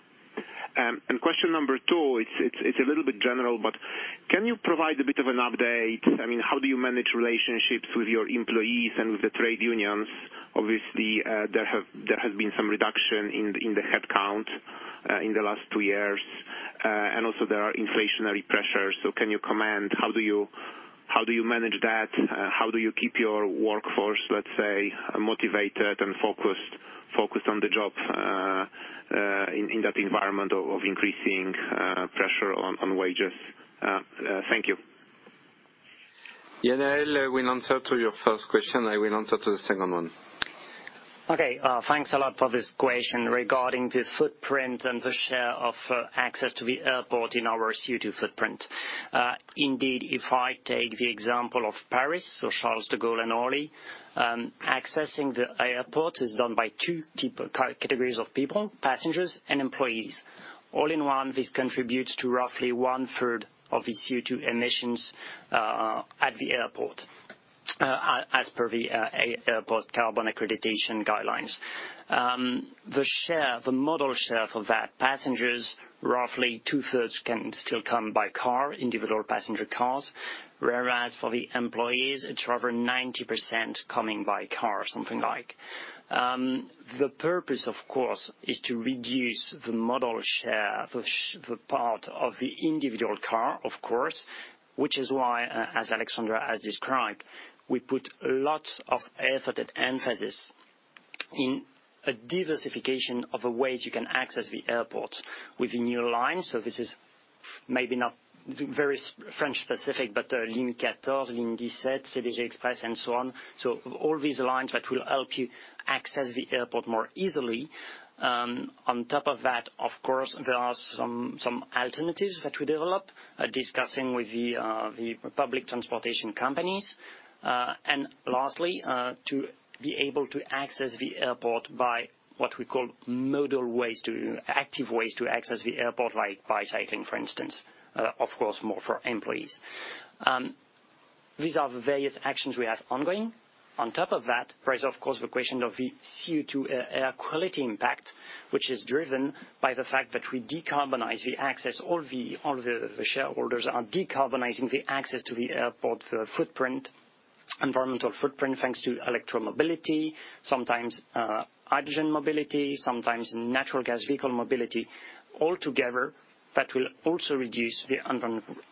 Question number two, it's a little bit general, but can you provide a bit of an update? I mean, how do you manage relationships with your employees and with the trade unions? Obviously, there has been some reduction in the headcount in the last two years. Also, there are inflationary pressures. Can you comment on, how do you manage that? How do you keep your workforce, let's say, motivated and focused on the job in that environment of increasing pressure on wages? Thank you. Yannaël will answer your first question, I will answer to the second one. Okay. Thanks a lot for this question regarding the footprint and the share of access to the airport in our CO2 footprint. Indeed, if I take the example of Paris-Charles de Gaulle and Orly, accessing the airport is done by two categories of people: passengers and employees. All in all, this contributes to roughly one-third of the CO2 emissions at the airport, as per the Airport Carbon Accreditation Guidelines. The modal share for those passengers, roughly two-thirds, can still come by car, individual passenger cars. Whereas for the employees, it's over 90% coming by car, something like. The purpose, of course, is to reduce the modal share, the part of the individual car, of course, which is why, as Alexandra has described, we put lots of effort and emphasis on a diversification of the ways you can access the airport with new lines. This is maybe not very French specific, but [Foreign language: ligne quatorze], Line 17, CDG Express, and so on. All these lines will help you access the airport more easily. On top of that, of course, there are some alternatives that we develop, discussing with the public transportation companies. Lastly, to be able to access the airport by what we call active ways to access the airport, like cycling, for instance, of course, more for employees. These are the various actions we have ongoing. On top of that, it raises, of course, the question of the CO2 air quality impact, which is driven by the fact that we decarbonize the access. All the shareholders are decarbonizing access to the airport, the environmental footprint, thanks to electromobility, sometimes hydrogen mobility, sometimes natural gas vehicle mobility. Altogether, that will also reduce the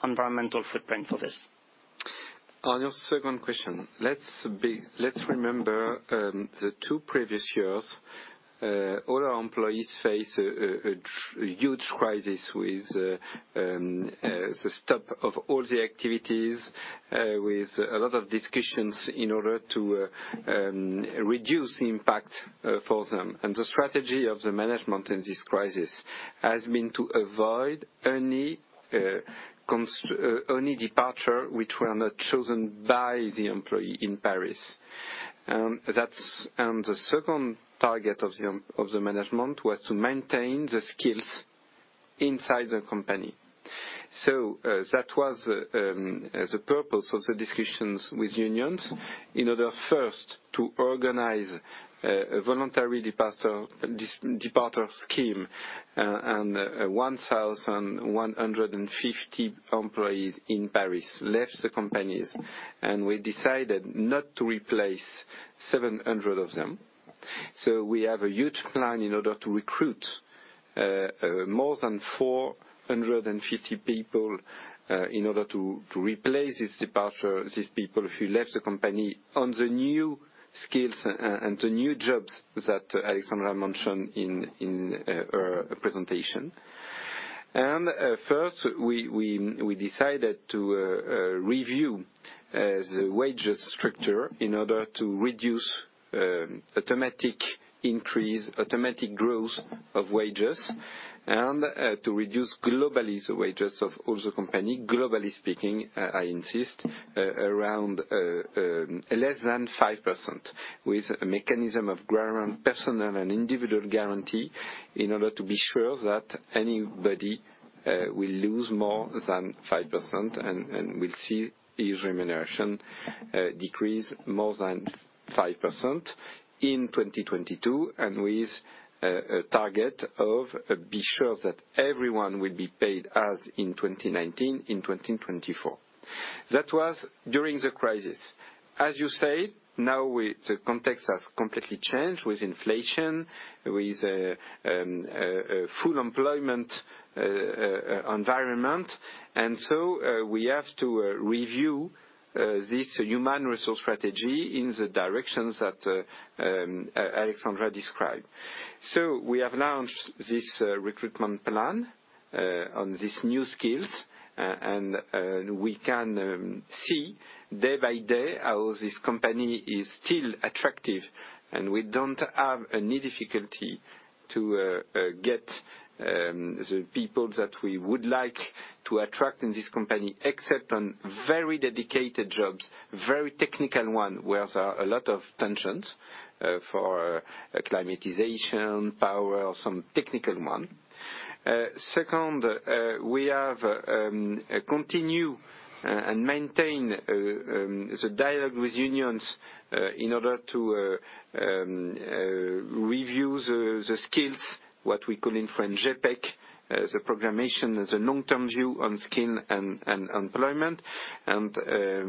environmental footprint for this. On your second question, let's remember the two previous years, all our employees faced a huge crisis with the stop of all the activities, with a lot of discussions in order to reduce the impact on them. The strategy of the management in this crisis has been to avoid any departure which were not chosen by the employee in Paris. The second target of the management was to maintain the skills inside the company. That was the purpose of the discussions with unions. In order, first, to organize a voluntary departure scheme, 1,150 employees in Paris left the companies, and we decided not to replace 700 of them. We have a huge plan in order to recruit more than 450 people in order to replace this departure, these people who left the company on the new skills and the new jobs that Alexandra mentioned in her presentation. First, we decided to review the wages structure in order to reduce automatic increase, automatic growth of wages, and to reduce globally the wages of all the company, globally speaking, I insist, around less than 5% with a mechanism of guarantee, personal and individual guarantee, in order to be sure that anybody will lose more than 5% and will see his remuneration decrease more than 5% in 2022, and with a target of be sure that everyone will be paid as in 2019, in 2024. That was during the crisis. As you said, now the context has completely changed with inflation, with a full employment environment. We have to review this human resource strategy in the directions that Alexandra described. We have launched this recruitment plan on these new skills. We can see day by day how this company is still attractive, and we don't have any difficulty getting the people that we would like to attract in this company, except on very dedicated jobs, very technical one, where there are a lot of tensions for climatization, power, or some technical ones. Second, we have to continue and maintain the dialogue with unions in order to review the skills, what we call in French GPEC, the programming, the long-term view on skills and employment.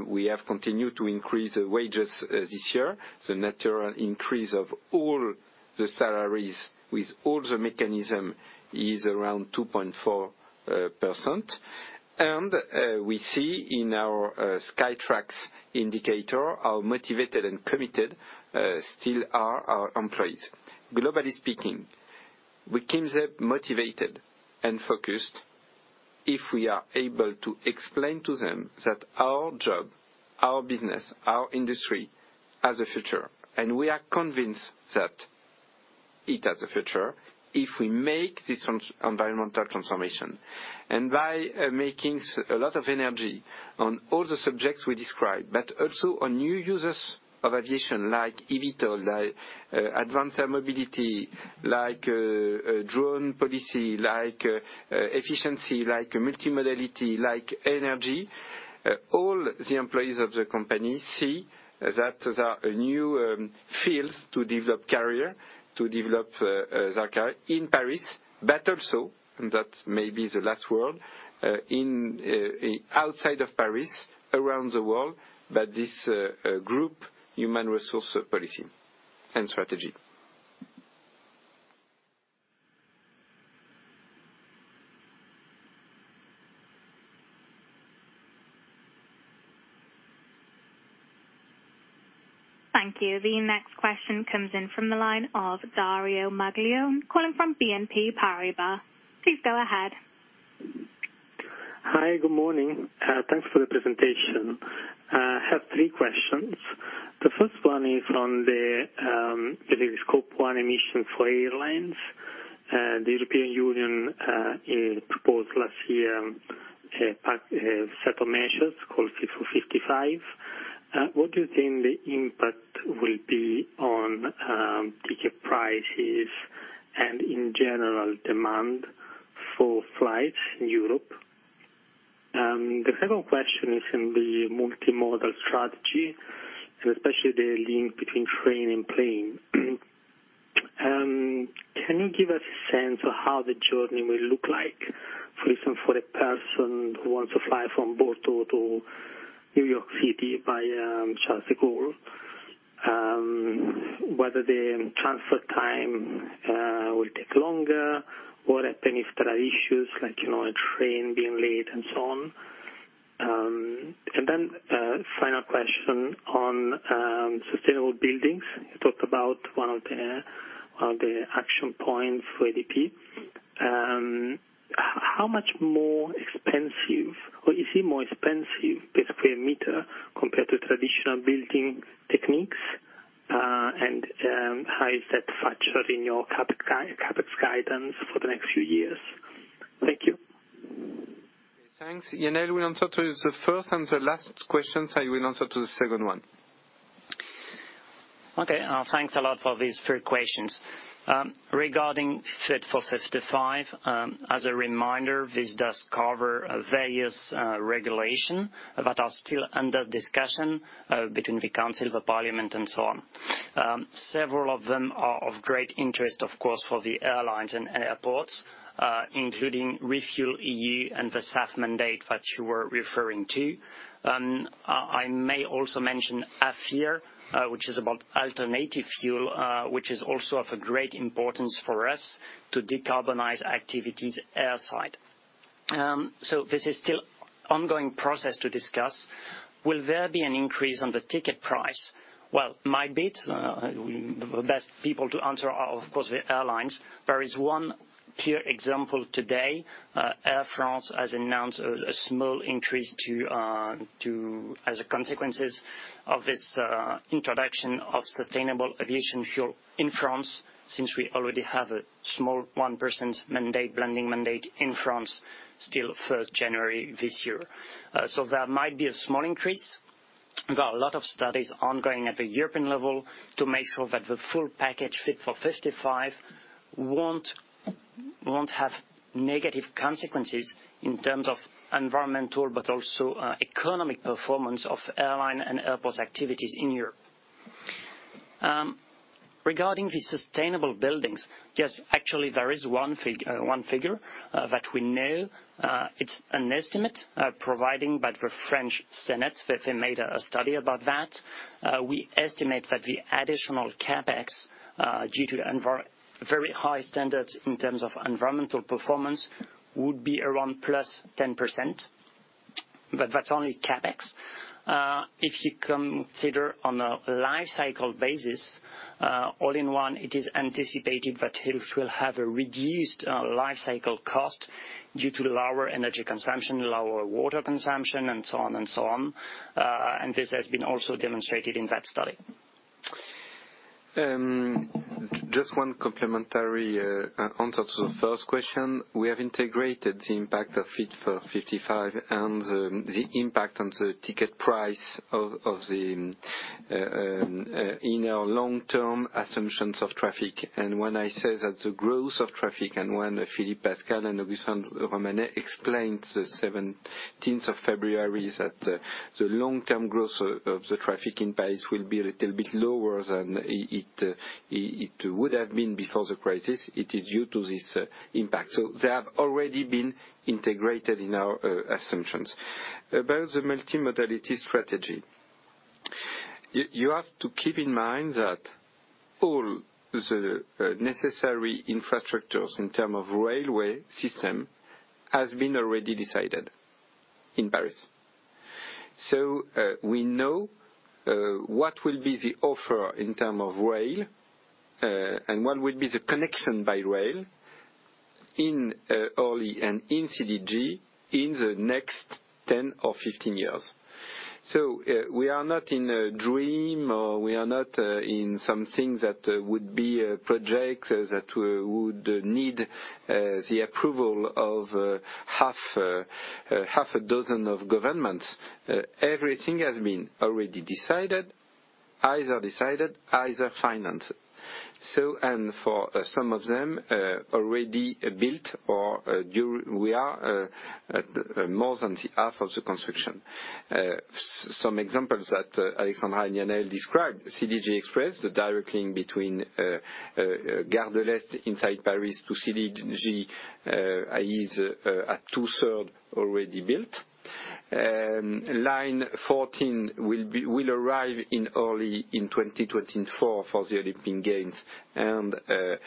We have continued to increase the wages this year. The natural increase of all the salaries with all the mechanisms is around 2.4%. We see in our Skytrax indicator how motivated and committed still are our employees. Globally speaking, we keep them motivated and focused if we are able to explain to them that our job, our business, our industry has a future. We are convinced that it has a future if we make this environmental transformation. By spending a lot of energy on all the subjects we described, but also on new uses of aviation like eVTOL, like Advanced Air Mobility, like drone policy, like efficiency, like multimodality, like energy, all the employees of the company see that there are new fields to develop their career in Paris, but also, and that may be the last word, in outside of Paris, around the world, by this group human resource policy and strategy. Thank you. The next question comes in from the line of Dario Maglione, calling from BNP Paribas. Please go ahead. Hi, good morning. Thanks for the presentation. I have three questions. The first one is on the I believe Scope One emission for airlines. The European Union proposed last year a package of several measures called Fit for 55. What do you think the impact will be on ticket prices and, in general, demand for flights in Europe? The second question is in the multimodal strategy, and especially the link between train and plane. Can you give us a sense of what the journey will be like, for instance, for a person who wants to fly from Bordeaux to New York City via Charles de Gaulle? Whether the transfer time will take longer, what happens if there are issues, like you know, a train being late, and so on. A final question on sustainable buildings. You talked about one of the action points for ADP. How much more expensive, or is it more expensive per square meter, compared to traditional building techniques? How is that factored into your CapEx guidance for the next few years? Thank you. Thanks. Yannaël will answer to the first and the last questions. I will answer the second one. Okay. Thanks a lot for these three questions. Regarding Fit for 55, as a reminder, this does cover various regulation that are still under discussion between the council, the parliament and so on. Several of them are of great interest, of course, for the airlines and airports, including ReFuelEU Aviation and the SAF mandate that you were referring to. I may also mention AFIR, which is about alternative fuel, which is also of a great importance for us to decarbonize activities airside. This is still ongoing process to discuss. Will there be an increase on the ticket price? Well, might be. The best people to answer are, of course, the airlines. There is one clear example today. Air France has announced a small increase as a consequence of the introduction of sustainable aviation fuel in France, since we already have a small 1% mandate, blending mandate in France, as of January this year. So, there might be a small increase. We've got a lot of studies ongoing at the European level to make sure that the full package Fit for 55 won't have negative consequences in terms of environmental but also economic performance of airline and airport activities in Europe. Regarding the sustainable buildings, yes, actually, there is one figure that we know. It's an estimate provided by the French Senate that they made a study about that. We estimate that the additional CapEx, due to very high standards in terms of environmental performance, would be around +10%, but that's only CapEx. If you consider on a life cycle basis, all-in-one, it is anticipated that it will have a reduced life cycle cost due to lower energy consumption, lower water consumption, and so on and so on. This has also been demonstrated in that study. Just one complementary on top of the first question. We have integrated the impact of Fit for 55 and the impact on the ticket price into our long-term assumptions of traffic. When I say that the growth of traffic and when Philippe Pascal and Augustin de Romanet explained on February 17th is that the long-term growth of the traffic in Paris will be a little bit lower than it would have been before the crisis. It is due to this impact. They have already been integrated in our assumptions. About the multimodality strategy. You have to keep in mind that all the necessary infrastructures in terms of the railway system have already been decided in Paris. We know what will be the offer in terms of rail and what will be the connection by rail in Orly and in CDG in the next 10 or 15 years. We are not in a dream, or we are not in something that would be a project that we would need the approval of half a dozen governments. Everything has already been decided, either decided or financed. For some of them, already built or we are at more than half of the construction. Some examples that Alexandra and Yannaël described, CDG Express, the direct link between Gare de l'Est inside Paris to CDG, is two-thirds already built. Line 14 will arrive in early 2024 for the Olympic Games, 65%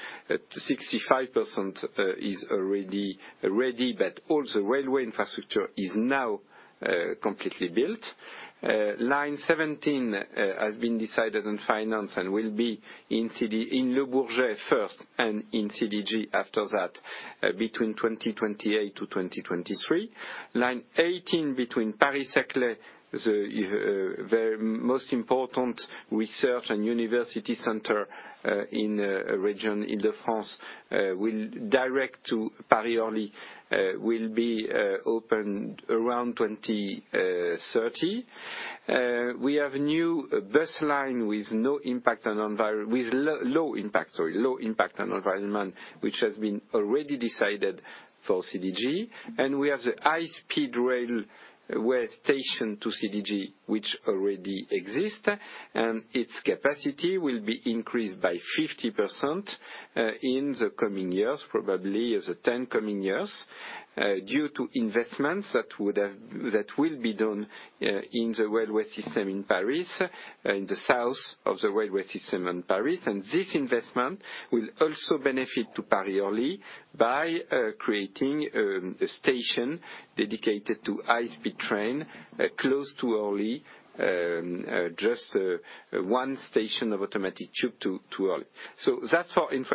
is already ready, but all the railway infrastructure is now completely built. Line 17 has been decided on finance and will be in Le Bourget first and in CDG after that, between 2028 to 2033. Line 18 between Paris-Saclay, the most important research and university center in the region in France, will direct to Paris Orly, will be opened around 2030. We have a new bus line with low impact on environment, which has been already decided for CDG. We have the high-speed railway station to CDG, which already exists, and its capacity will be increased by 50% in the coming years, probably in the next 10 years, due to investments that will be done in the railway system in Paris, in the south of the railway system in Paris. This investment will also benefit to Paris Orly by creating a station dedicated to high-speed train close to Orly, just one station of automatic tube to Orly. That's for inf.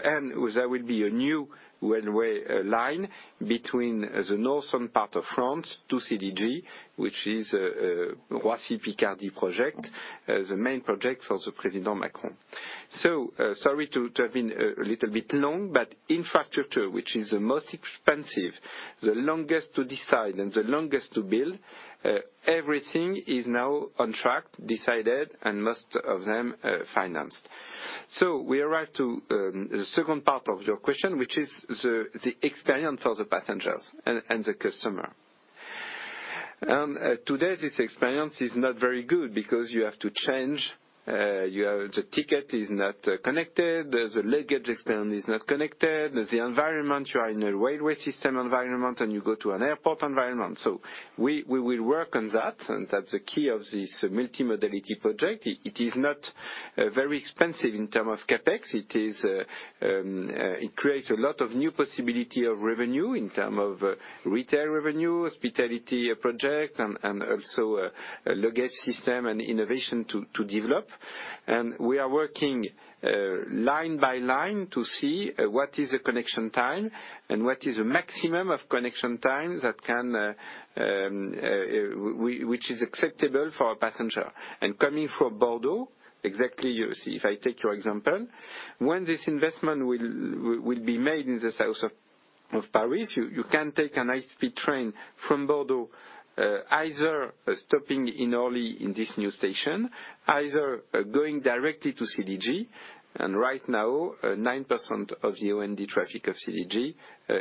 There will be a new railway line between the northern part of France to CDG, which is the Roissy Picardie project, the main project for President Macron. Sorry to have been a little bit long, but infrastructure, which is the most expensive, the longest to decide and the longest to build, everything is now on track, decided, and most of them financed. We arrive to the second part of your question, which is the experience for the passengers and the customer. Today, this experience is not very good because you have to change, you have the ticket is not connected, the luggage experience is not connected. The environment, you are in a railway system environment, and you go to an airport environment. We will work on that, and that's the key of this multimodality project. It is not very expensive in term of CapEx. It creates a lot of new possibility of revenue in terms of retail revenue, hospitality projects, and also a luggage system and innovation to develop. We are working line by line to see what is the connection time is and what is the maximum of connection time that can, which is acceptable for a passenger. Coming from Bordeaux, exactly, you see, if I take your example, when this investment will be made in the south of Paris, you can take a high-speed train from Bordeaux, either stopping in Orly in this new station, either going directly to CDG. Right now, 9% of the O&D traffic of CDG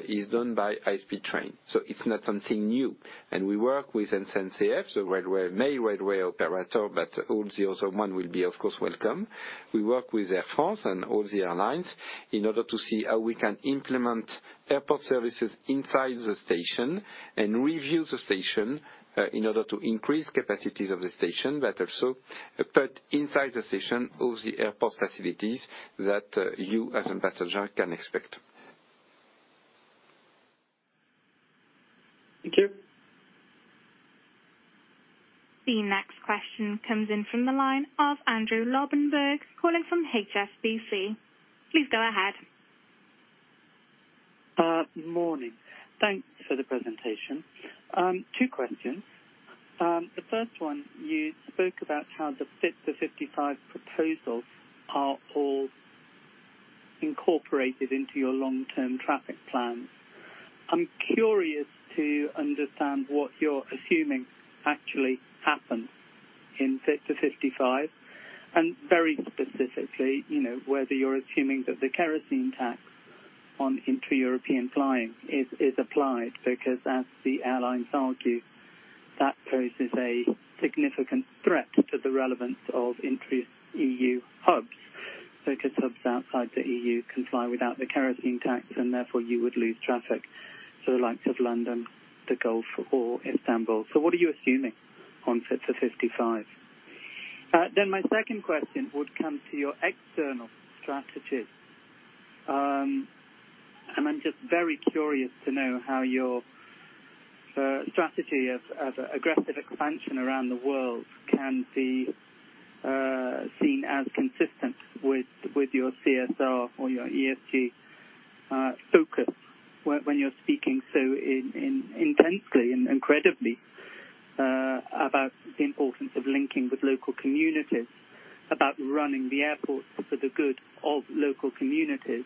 is done by high-speed train. It's not something new. We work with SNCF, the railway, main railway operator, but all the other one will be of course welcome. We work with Air France and all the airlines in order to see how we can implement airport services inside the station and review the station, in order to increase capacities of the station, but also put inside the station all the airport facilities that you as a passenger can expect. Thank you. The next question comes in from the line of Andrew Lobbenberg, calling from HSBC. Please go ahead. Morning. Thanks for the presentation. Two questions. The first one, you spoke about how the Fit for 55 proposals are all incorporated into your long-term traffic plan. I'm curious to understand what you're assuming actually happens in Fit for 55, and very specifically, you know, whether you're assuming that the kerosene tax on inter-European flying is applied, because as the airlines argue, that poses a significant threat to the relevance of intra-EU hubs. Because hubs outside the EU can fly without the kerosene tax, and therefore you would lose traffic to the likes of London, the Gulf or Istanbul. What are you assuming on Fit for 55? My second question would come to your external strategy. I'm just very curious to know how your strategy of aggressive expansion around the world can be seen as consistent with your CSR or your ESG focus, when you're speaking so intensely and incredibly about the importance of linking with local communities, about running the airport for the good of local communities,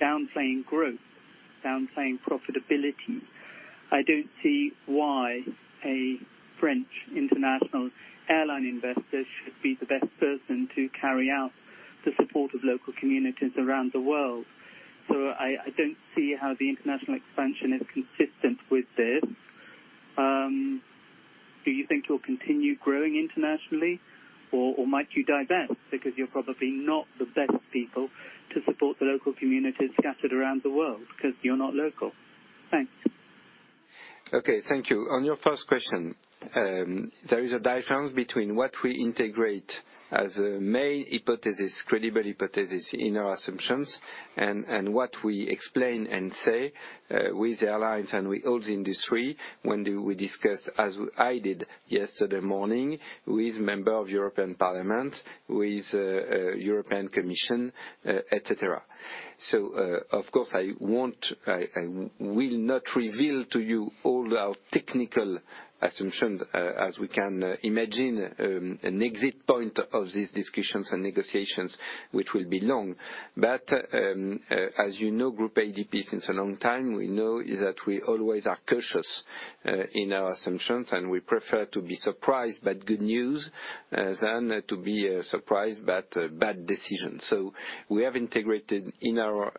downplaying growth, downplaying profitability. I don't see why a French international airport investor should be the best person to carry out the support of local communities around the world. I don't see how the international expansion is consistent with this. Do you think you'll continue growing internationally or might you divest? Because you're probably not the best people to support the local communities scattered around the world, because you're not local. Thanks. Okay. Thank you. On your first question, there is a difference between what we integrate as a main hypothesis, a credible hypothesis in our assumptions, and what we explain and say with the airlines and with all the industry when we discuss, as I did yesterday morning with a member of the European Parliament, with the European Commission, et cetera. Of course, I won't, I will not reveal to you all our technical assumptions, as we can imagine an exit point of these discussions and negotiations, which will be long. As you know, Groupe ADP since a long time, we know is that we always been cautious in our assumptions, and we prefer to be surprised by good news rather than to be surprised by bad decisions. We have integrated in our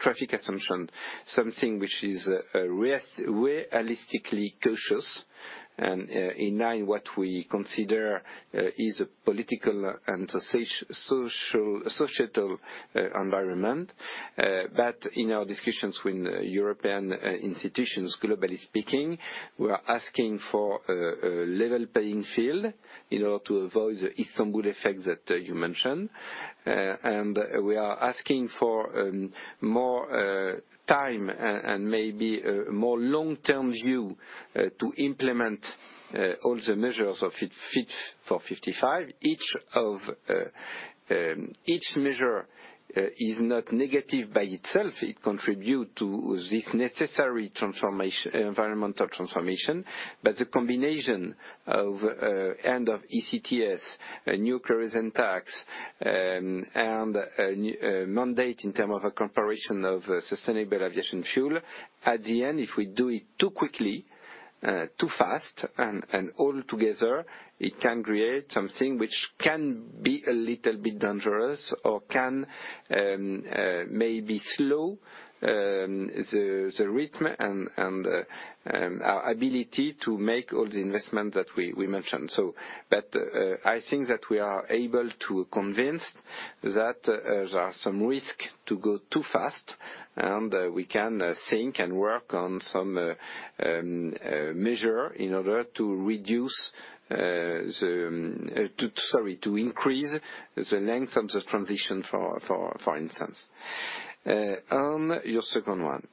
traffic assumption something which is realistically cautious and in line with what we consider is a political and a social, societal environment. In our discussions with European institutions, globally speaking, we are asking for a level playing field in order to avoid the Istanbul effect that you mentioned. We are asking for more time and maybe a longer-term view to implement all the measures of Fit for 55. Each measure is not negative by itself. It contributes to this necessary transformation, environmental transformation. The combination of end of ETS, a new kerosene tax, and a mandate in terms of the consumption of sustainable aviation fuel. At the end, if we do it too quickly, too fast and all together, it can create something which can be a little bit dangerous or can maybe slow the rhythm and our ability to make all the investments that we mentioned. I think that we are able to convince that there are some risk to go too fast and we can think and work on some measure in order to, sorry, increase the length of the transition for instance. On your second one,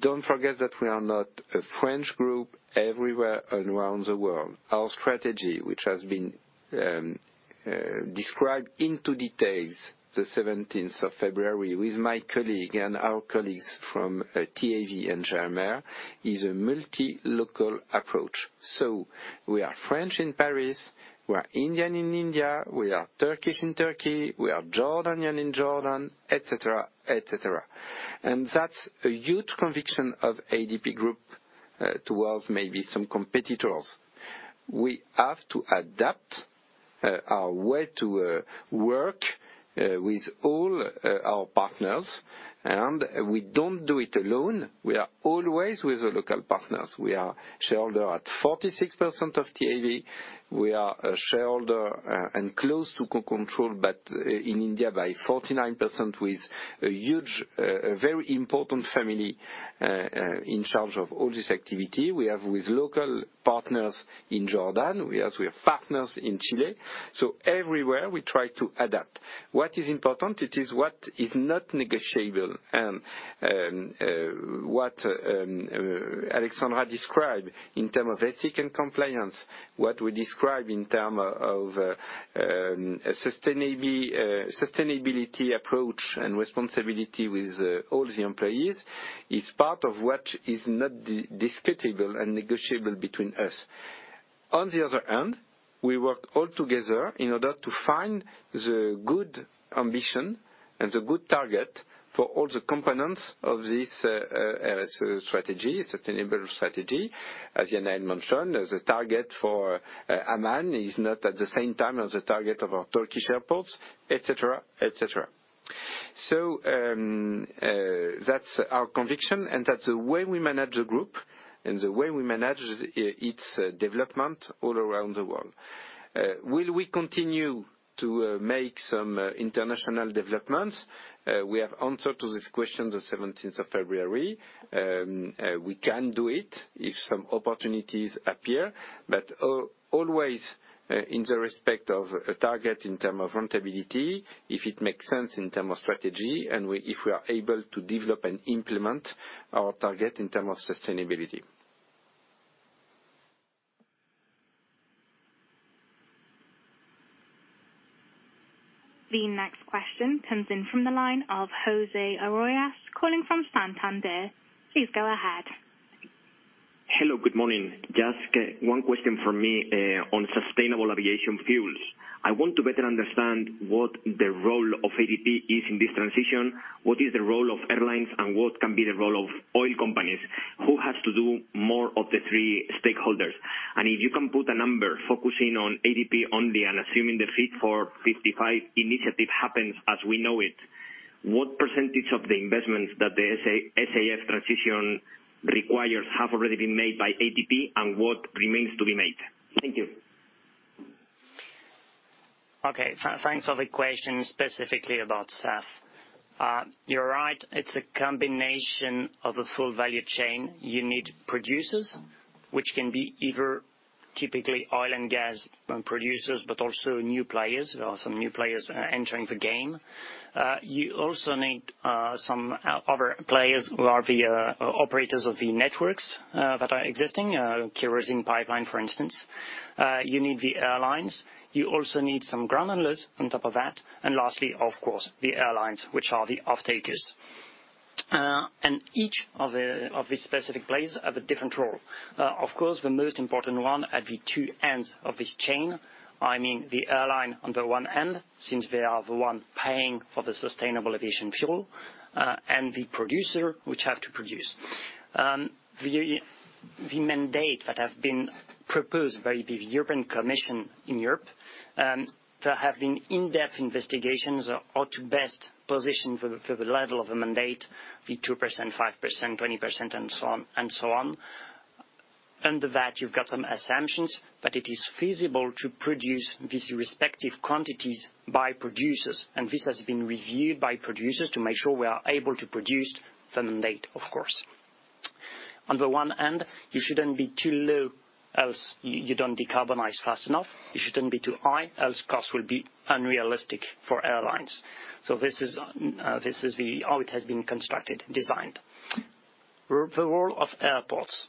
don't forget that we are not a French group everywhere around the world. Our strategy, which has been described in detail the seventeenth of February with my colleague and our colleagues from TAV and GMR, is a multi-local approach. We are French in Paris, we are Indian in India, we are Turkish in Turkey, we are Jordanian in Jordan, et cetera. That's a huge conviction of ADP Group. Towards maybe some competitors. We have to adapt our way to work with all our partners, and we don't do it alone. We are always with the local partners. We are shareholder at 46% of TAV. We are a shareholder and close to co-control, but in India by 49% with a huge a very important family in charge of all this activity. We have with local partners in Jordan. We as with partners in Chile. Everywhere we try to adapt. What is important, it is what is not negotiable and what Alexandra described in terms of ethics and compliance, what we describe in terms of sustainability approach and responsibility with all the employees is part of what is not disputable and negotiable between us. On the other hand, we work all together in order to find the good ambition and the good target for all the components of this strategy, sustainable strategy. As Yannaël mentioned, the target for Amman is not at the same time as the target of our Turkish airports, et cetera. That's our conviction and that's the way we manage the group and the way we manage its development all around the world. Will we continue to make some international developments? We have answered to this question the seventeenth of February. We can do it if some opportunities appear, but always in the respect of a target in term of profitability, if it makes sense in term of strategy and we, if we are able to develop and implement our target in term of sustainability. The next question comes in from the line of José Arroyas, calling from Santander. Please go ahead. Hello, good morning. Just one question from me on sustainable aviation fuels. I want to better understand what the role of ADP is in this transition, what is the role of airlines, and what can be the role of oil companies. Who has to do more of the three stakeholders? If you can put a number focusing on ADP only and assuming the Fit for 55 initiative happens as we know it, what percentage of the investments that the SA-SAF transition requires have already been made by ADP and what remains to be made? Thank you. Thanks for the question specifically about SAF. You're right, it's a combination of a full value chain. You need producers, which can be either typically oil and gas producers, but also new players. There are some new players entering the game. You also need some other players who are the operators of the networks that are existing, kerosene pipeline, for instance. You need the airlines. You also need some ground handlers on top of that. Lastly, of course, the airlines, which are the off-takers. Each of these specific players have a different role. Of course, the most important one at the two ends of this chain, I mean, the airline on the one end, since they are the one paying for the sustainable aviation fuel, and the producer which have to produce. The mandate that have been proposed by the European Commission in Europe, there have been in-depth investigations on the best position for the level of the mandate, the 2%, 5%, 20%, and so on and so on. Under that, you've got some assumptions, but it is feasible to produce these respective quantities by producers, and this has been reviewed by producers to make sure we are able to produce the mandate, of course. On the one end, you shouldn't be too low else you don't decarbonize fast enough. You shouldn't be too high, else costs will be unrealistic for airlines. This is how it has been constructed, designed. The role of airports,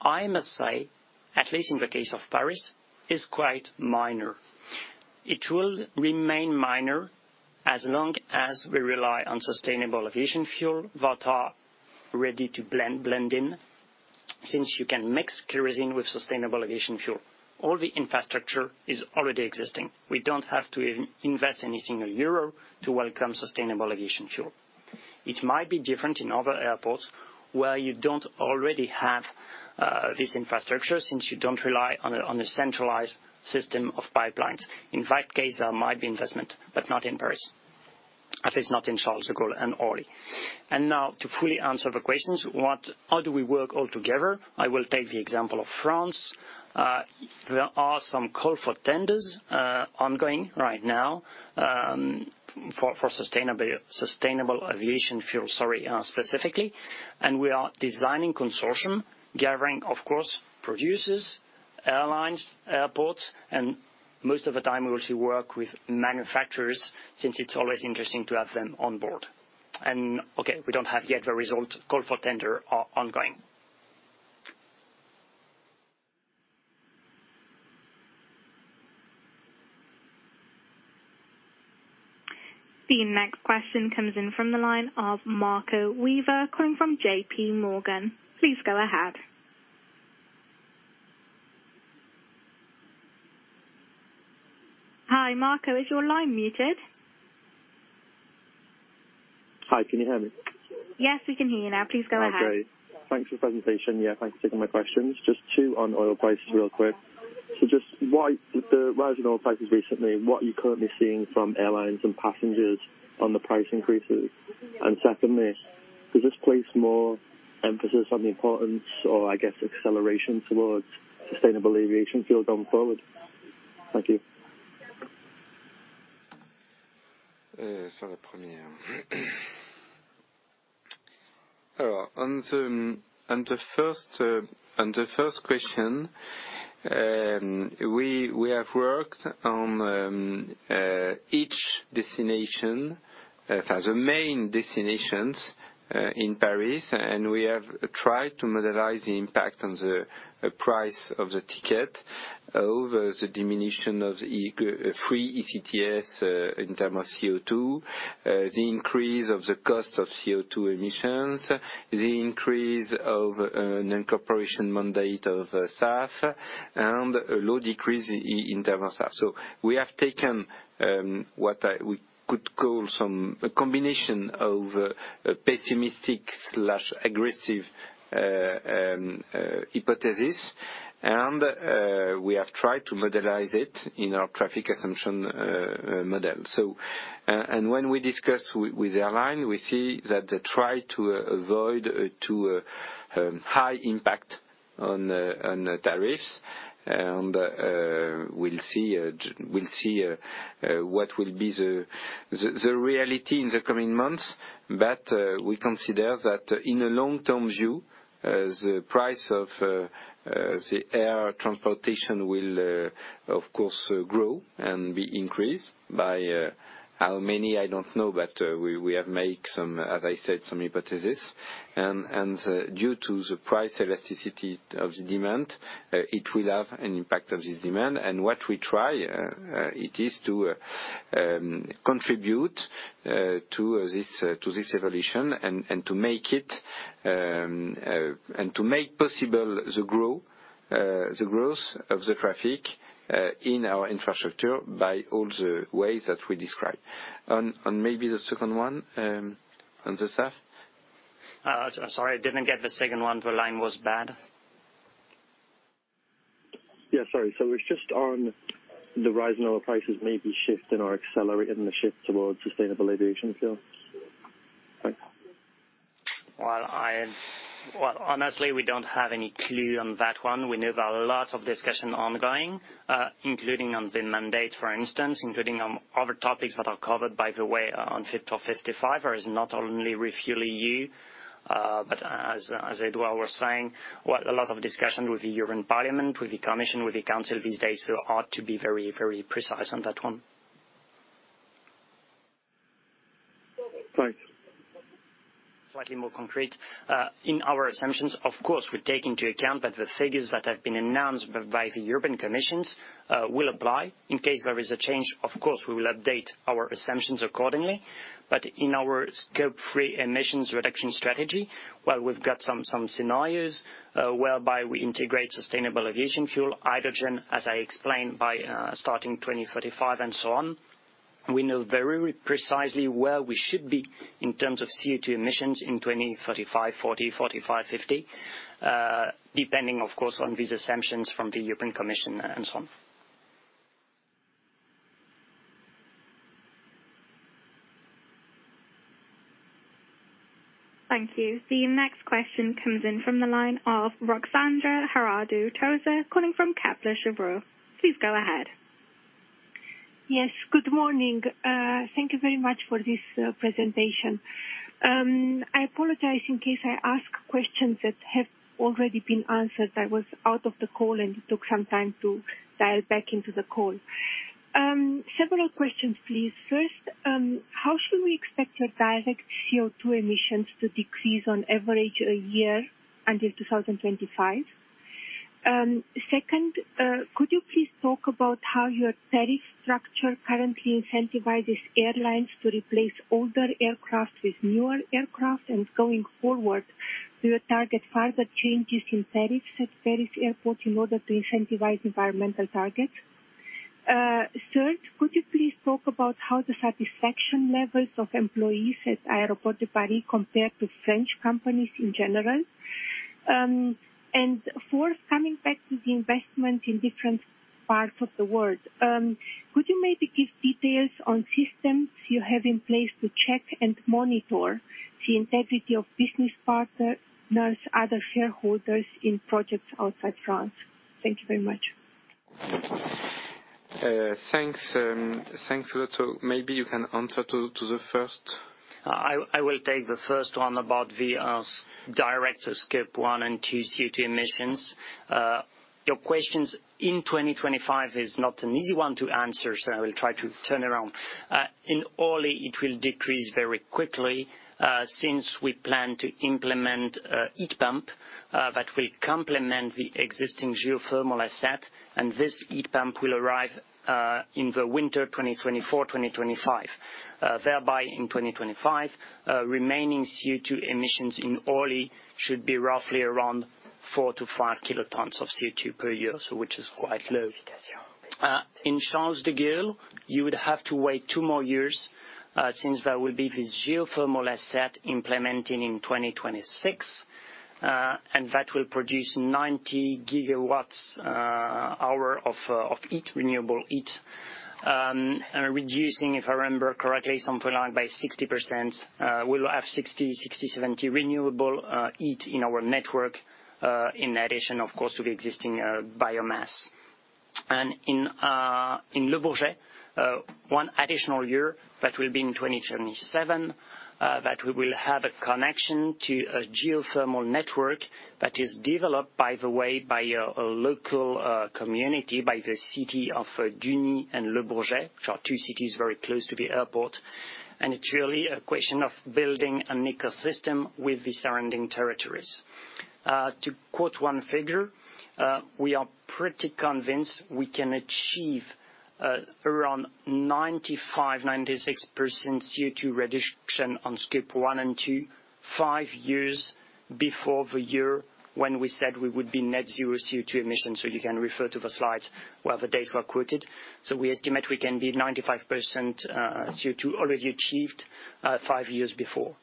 I must say, at least in the case of Paris, is quite minor. It will remain minor as long as we rely on sustainable aviation fuel that are ready to blend in, since you can mix kerosene with sustainable aviation fuel. All the infrastructure is already existing. We don't have to invest a single euro to welcome sustainable aviation fuel. It might be different in other airports where you don't already have this infrastructure since you don't rely on the centralized system of pipelines. In that case, there might be investment, but not in Paris. At least not in Charles de Gaulle and Orly. Now to fully answer the questions, how do we work all together? I will take the example of France. There are some calls for tenders ongoing right now for sustainable aviation fuel specifically. We are designing consortium, gathering, of course, producers, airlines, airports, and most of the time we also work with manufacturers since it's always interesting to have them on board. Okay, we don't have yet the result. Call for tender are ongoing. The next question comes in from the line of Elodie Rall, calling from J.P. Morgan. Please go ahead. Hi, Marcin. Is your line muted? Hi, can you hear me? Yes, we can hear you now. Please go ahead. Oh, great. Thanks for the presentation. Yeah, thanks for taking my questions. Just two on oil prices real quick. Just why the rise in oil prices recently, what are you currently seeing from airlines and passengers on the price increases? Secondly, does this place more emphasis on the importance or, I guess, acceleration towards sustainable aviation fuel going forward? Thank you. On the first question, we have worked on each destination as the main destinations in Paris, and we have tried to modelize the impact on the price of the ticket over the diminution of the free ETS in terms of CO2, the increase of the cost of CO2 emissions, the increase of an incorporation mandate of SAF and a low decrease in terms of SAF. We have taken what we could call a combination of a pessimistic/aggressive hypothesis, and we have tried to model it in our traffic assumption model. When we discuss with the airline, we see that they try to avoid too high an impact on the tariffs, and we'll see what will be the reality in the coming months. We consider that in the long-term view, the price of air transportation will, of course, grow and be increased by how many, I don't know, but we have made some, as I said, some hypotheses. Due to the price elasticity of the demand, it will have an impact on this demand. It is to contribute to this evolution and to make possible the growth of the traffic in our infrastructure by all the ways that we described. Maybe the second one on the SAF? Sorry, I didn't get the second one. The line was bad. Yeah, sorry. It's just that the rise in oil prices may be shifting or accelerating the shift towards sustainable aviation fuel. Thanks. Well, honestly, we don't have a clue on that one. We know there are lots of discussions ongoing, including on the mandate, for instance, including on other topics that are covered, by the way, on Fit for 55. There is not only ReFuelEU, but as Edward was saying, well, a lot of discussion with the European Parliament, with the Commission, with the Council these days, so hard to be very precise on that one. Thanks. Slightly more concrete, in our assumptions, of course, we take into account that the figures that have been announced by the European Commission will apply. In case there is a change, of course, we will update our assumptions accordingly. In our Scope Three emissions reduction strategy, while we've got some scenarios whereby we integrate sustainable aviation fuel, hydrogen, as I explained, by starting 2045 and so on, we know very precisely where we should be in terms of CO2 emissions in 2045, 2050, depending, of course, on these assumptions from the European Commission and so on. Thank you. The next question comes in from the line of Ruxandra Haradau-Doser, calling from Kepler Cheuvreux. Please go ahead. Yes. Good morning. Thank you very much for this presentation. I apologize in case I ask questions that have already been answered. I was out of the call, and it took some time to dial back into the call. Several questions, please. First, how should we expect your direct CO2 emissions to decrease on average a year until 2025? Second, could you please talk about how your tariff structure currently incentivizes airlines to replace older aircraft with newer aircraft? And going forward, do you target further changes in tariffs at Paris Airport in order to incentivize environmental targets? Third, could you please talk about how the satisfaction levels of employees at Aéroports de Paris compare to French companies in general? Fourth, coming back to the investment in different parts of the world, could you maybe give details on systems you have in place to check and monitor the integrity of business partners, other shareholders in projects outside France? Thank you very much. Thanks, Ruxa. Maybe you can answer to the first. I will take the first one about the direct Scope One and Two CO2 emissions. Your question in 2025 is not an easy one to answer, so I will try to turn around. In Orly, it will decrease very quickly, since we plan to implement a heat pump that will complement the existing geothermal asset, and this heat pump will arrive in the winter 2024-2025. Thereby, in 2025, remaining CO2 emissions in Orly should be roughly around 4-5 kilotons of CO2 per year, which is quite low. In Charles de Gaulle, you would have to wait two more years, since there will be this geothermal asset implementing in 2026. And that will produce 90 GWh of heat, renewable heat. And reducing, if I remember correctly, something like by 60%. We'll have 60%-70% renewable heat in our network, in addition, of course, to the existing biomass. In Le Bourget, one additional year, that will be in 2027, that we will have a connection to a geothermal network that is developed, by the way, by a local community, by the city of Dugny and Le Bourget, which are two cities very close to the airport. It's really a question of building an ecosystem with the surrounding territories. To quote one figure, we are pretty convinced we can achieve around 95%-96% CO2 reduction on Scope One and Two, five years before the year when we said we would be net-zero CO2 emissions. You can refer to the slides where the data are quoted. We estimate we can be 95% CO2 already achieved, five years before.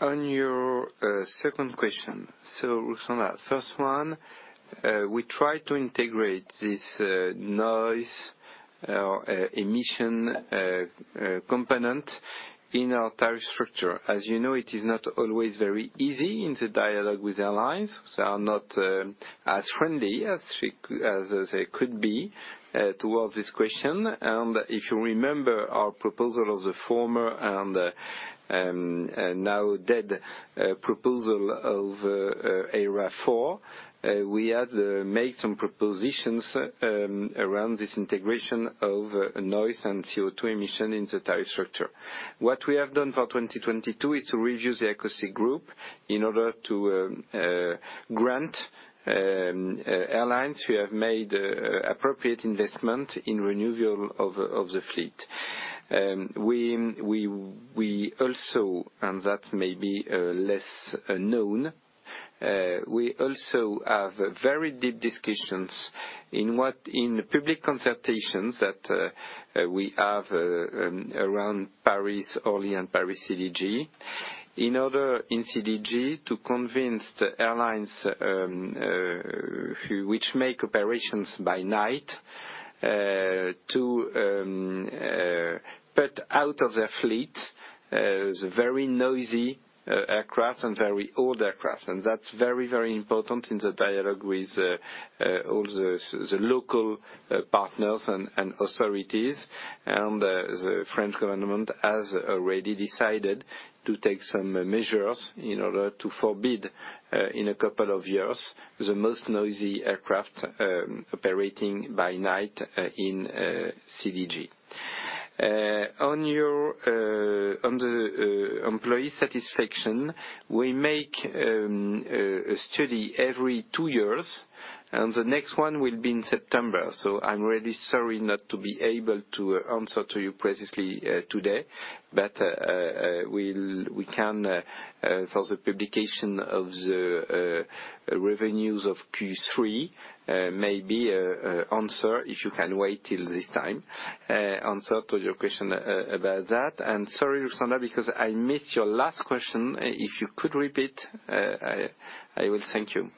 On your second question. Ruxandra, first one, we try to integrate this noise emission component in our tariff structure. As you know, it is not always very easy in the dialogue with airlines. They are not as friendly as they could be towards this question. If you remember our proposal of the former and now dead proposal of ERA4, we had made some propositions around this integration of noise and CO2 emission in the tariff structure. What we have done for 2022 is to review the acoustic group in order to grant airlines who have made appropriate investment in renewal of the fleet. We also have very deep discussions in public consultations that we have around Paris, Orly and Paris CDG, in order in CDG to convince the airlines which make operations by night to put out of their fleet the very noisy aircraft and very old aircraft. That's very important in the dialogue with all the local partners and authorities. The French government has already decided to take some measures in order to forbid, in a couple of years, the most noisy aircraft operating by night in CDG. On the employee satisfaction, we make a study every two years, and the next one will be in September. I'm really sorry not to be able to answer to you precisely today. We can, for the publication of the revenues of Q3, maybe answer if you can wait till this time, answer to your question about that. Sorry, Ruxandra, because I missed your last question. If you could repeat, I will thank you.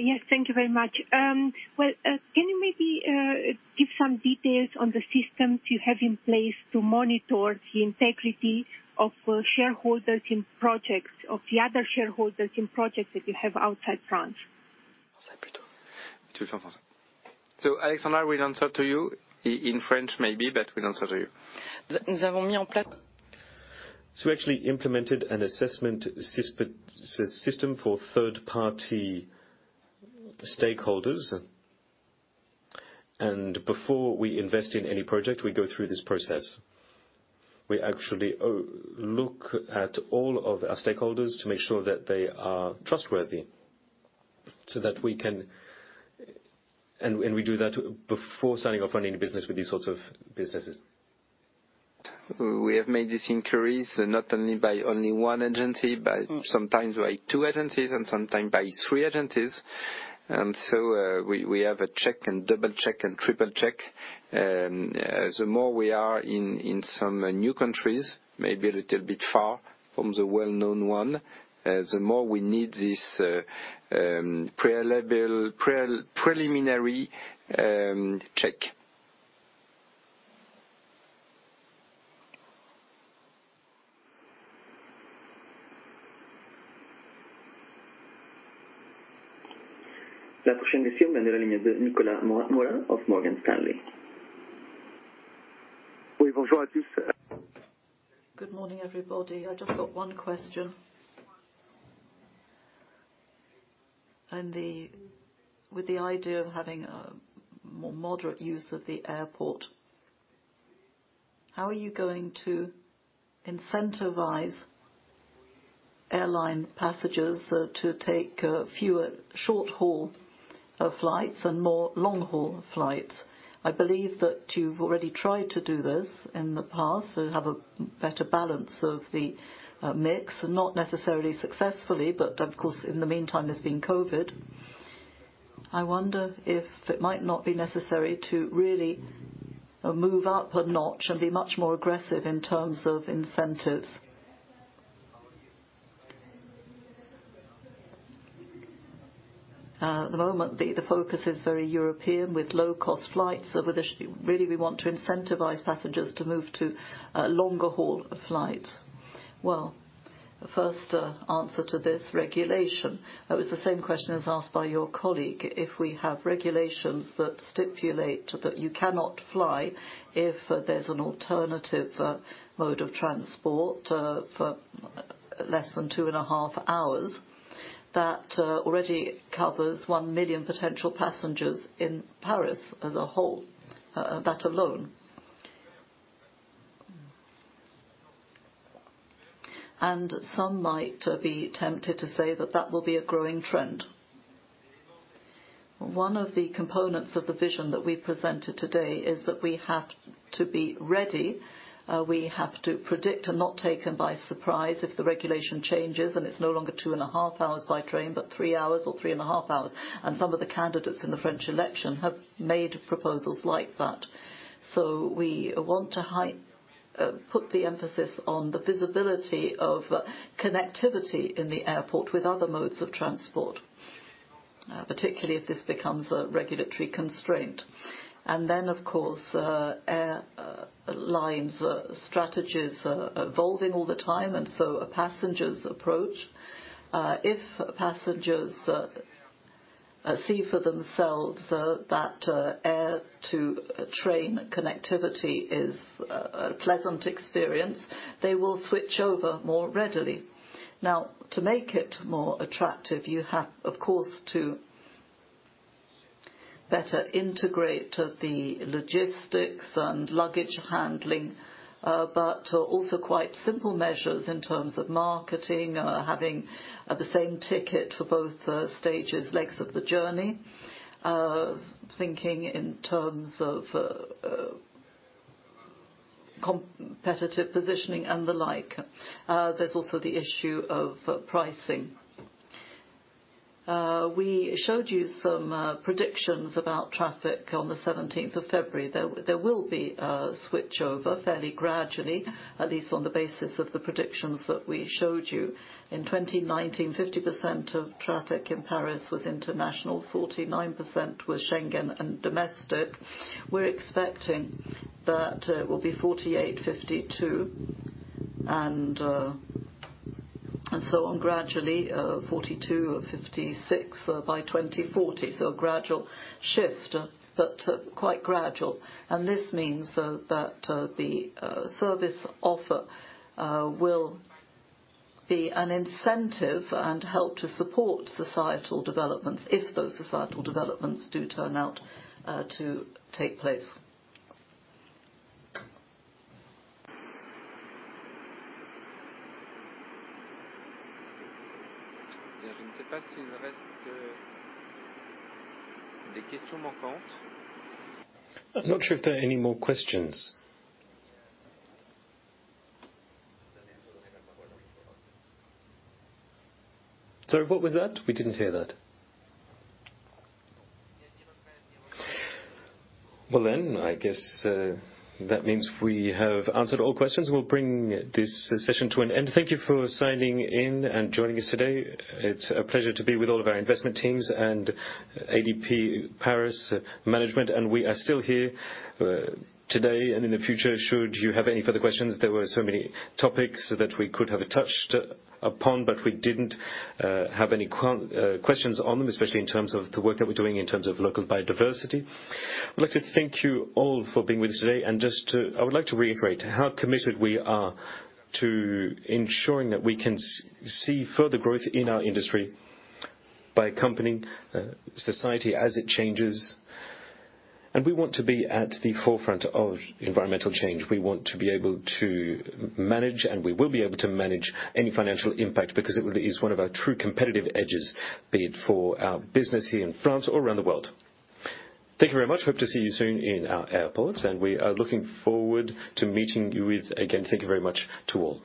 Yes, thank you very much. Well, can you maybe give some details on the systems you have in place to monitor the integrity of shareholders in projects, of the other shareholders in projects that you have outside France? Alexandra will answer to you in French, maybe, but we'll answer to you. We actually implemented an assessment system for third-party stakeholders. Before we invest in any project, we go through this process. We actually look at all of our stakeholders to make sure that they are trustworthy so that we can. We do that before signing off on any business with these sorts of businesses. We have made these inquiries not only by one agency, but sometimes by two agencies and sometimes by three agencies. We have a check and double check and triple check. The more we are in some new countries, maybe a little bit far from the well-known one, the more we need this preliminary check. Good morning, everybody. I just got one question. With the idea of having a more moderate use of the airport, how are you going to incentivize airline passengers to take fewer short-haul flights and more long-haul flights? I believe that you've already tried to do this in the past, so you have a better balance of the mix, not necessarily successfully, but, of course, in the meantime, there's been COVID. I wonder if it might not be necessary to really move up a notch and be much more aggressive in terms of incentives. At the moment, the focus is very European with low-cost flights. Whether really we want to incentivize passengers to move to longer-haul flights. First, answer to this regulation. It was the same question as asked by your colleague. If we have regulations that stipulate that you cannot fly if there's an alternative mode of transport, for less than two and a half hours, that already covers 1 million potential passengers in Paris as a whole, that alone. Some might be tempted to say that that will be a growing trend. One of the components of the vision that we presented today is that we have to be ready, we have to predict and not taken by surprise if the regulation changes and it's no longer two and a half hours by train, but three hours or three and a half hours. Some of the candidates in the French election have made proposals like that. We want to high... Put the emphasis on the visibility of connectivity in the airport with other modes of transport, particularly if this becomes a regulatory constraint. Of course, airlines' strategies are evolving all the time, and is a passenger's approach. If passengers see for themselves that air-to-train connectivity is a pleasant experience, they will switch over more readily. Now, to make it more attractive, you have, of course, to better integrate the logistics and luggage handling, but also quite simple measures in terms of marketing, such as having the same ticket for both legs of the journey, thinking in terms of competitive positioning, and the like. There's also the issue of pricing. We showed you some predictions about traffic on February 17th. There will be a switchover fairly gradually, at least on the basis of the predictions that we showed you. In 2019, 50% of traffic in Paris was international, 49% was Schengen, and domestic. We're expecting that it will be 48%, 52%, and so on, gradually, 42% or 56% by 2040. This means that the service offer will be an incentive and help to support societal developments if those societal developments do turn out to take place. I'm not sure if there are any more questions. Sorry, what was that? We didn't hear that. Well then, I guess that means we have answered all the questions. We'll bring this session to an end. Thank you for signing in and joining us today. It's a pleasure to be with all of our investment teams and ADP Paris management, and we are still here today and in the future should you have any further questions. There were so many topics that we could have touched upon, but we didn't have any questions on them, especially in terms of the work that we're doing in terms of local biodiversity. I'd like to thank you all for being with us today. I would like to reiterate how committed we are to ensuring that we can see further growth in our industry by accompanying society as it changes. We want to be at the forefront of environmental change. We want to be able to manage, and we will be able to manage any financial impact because it is one of our true competitive edges, be it for our business here in France or around the world. Thank you very much. Hope to see you soon in our airports, and we are looking forward to meeting you. Again, thank you very much to all.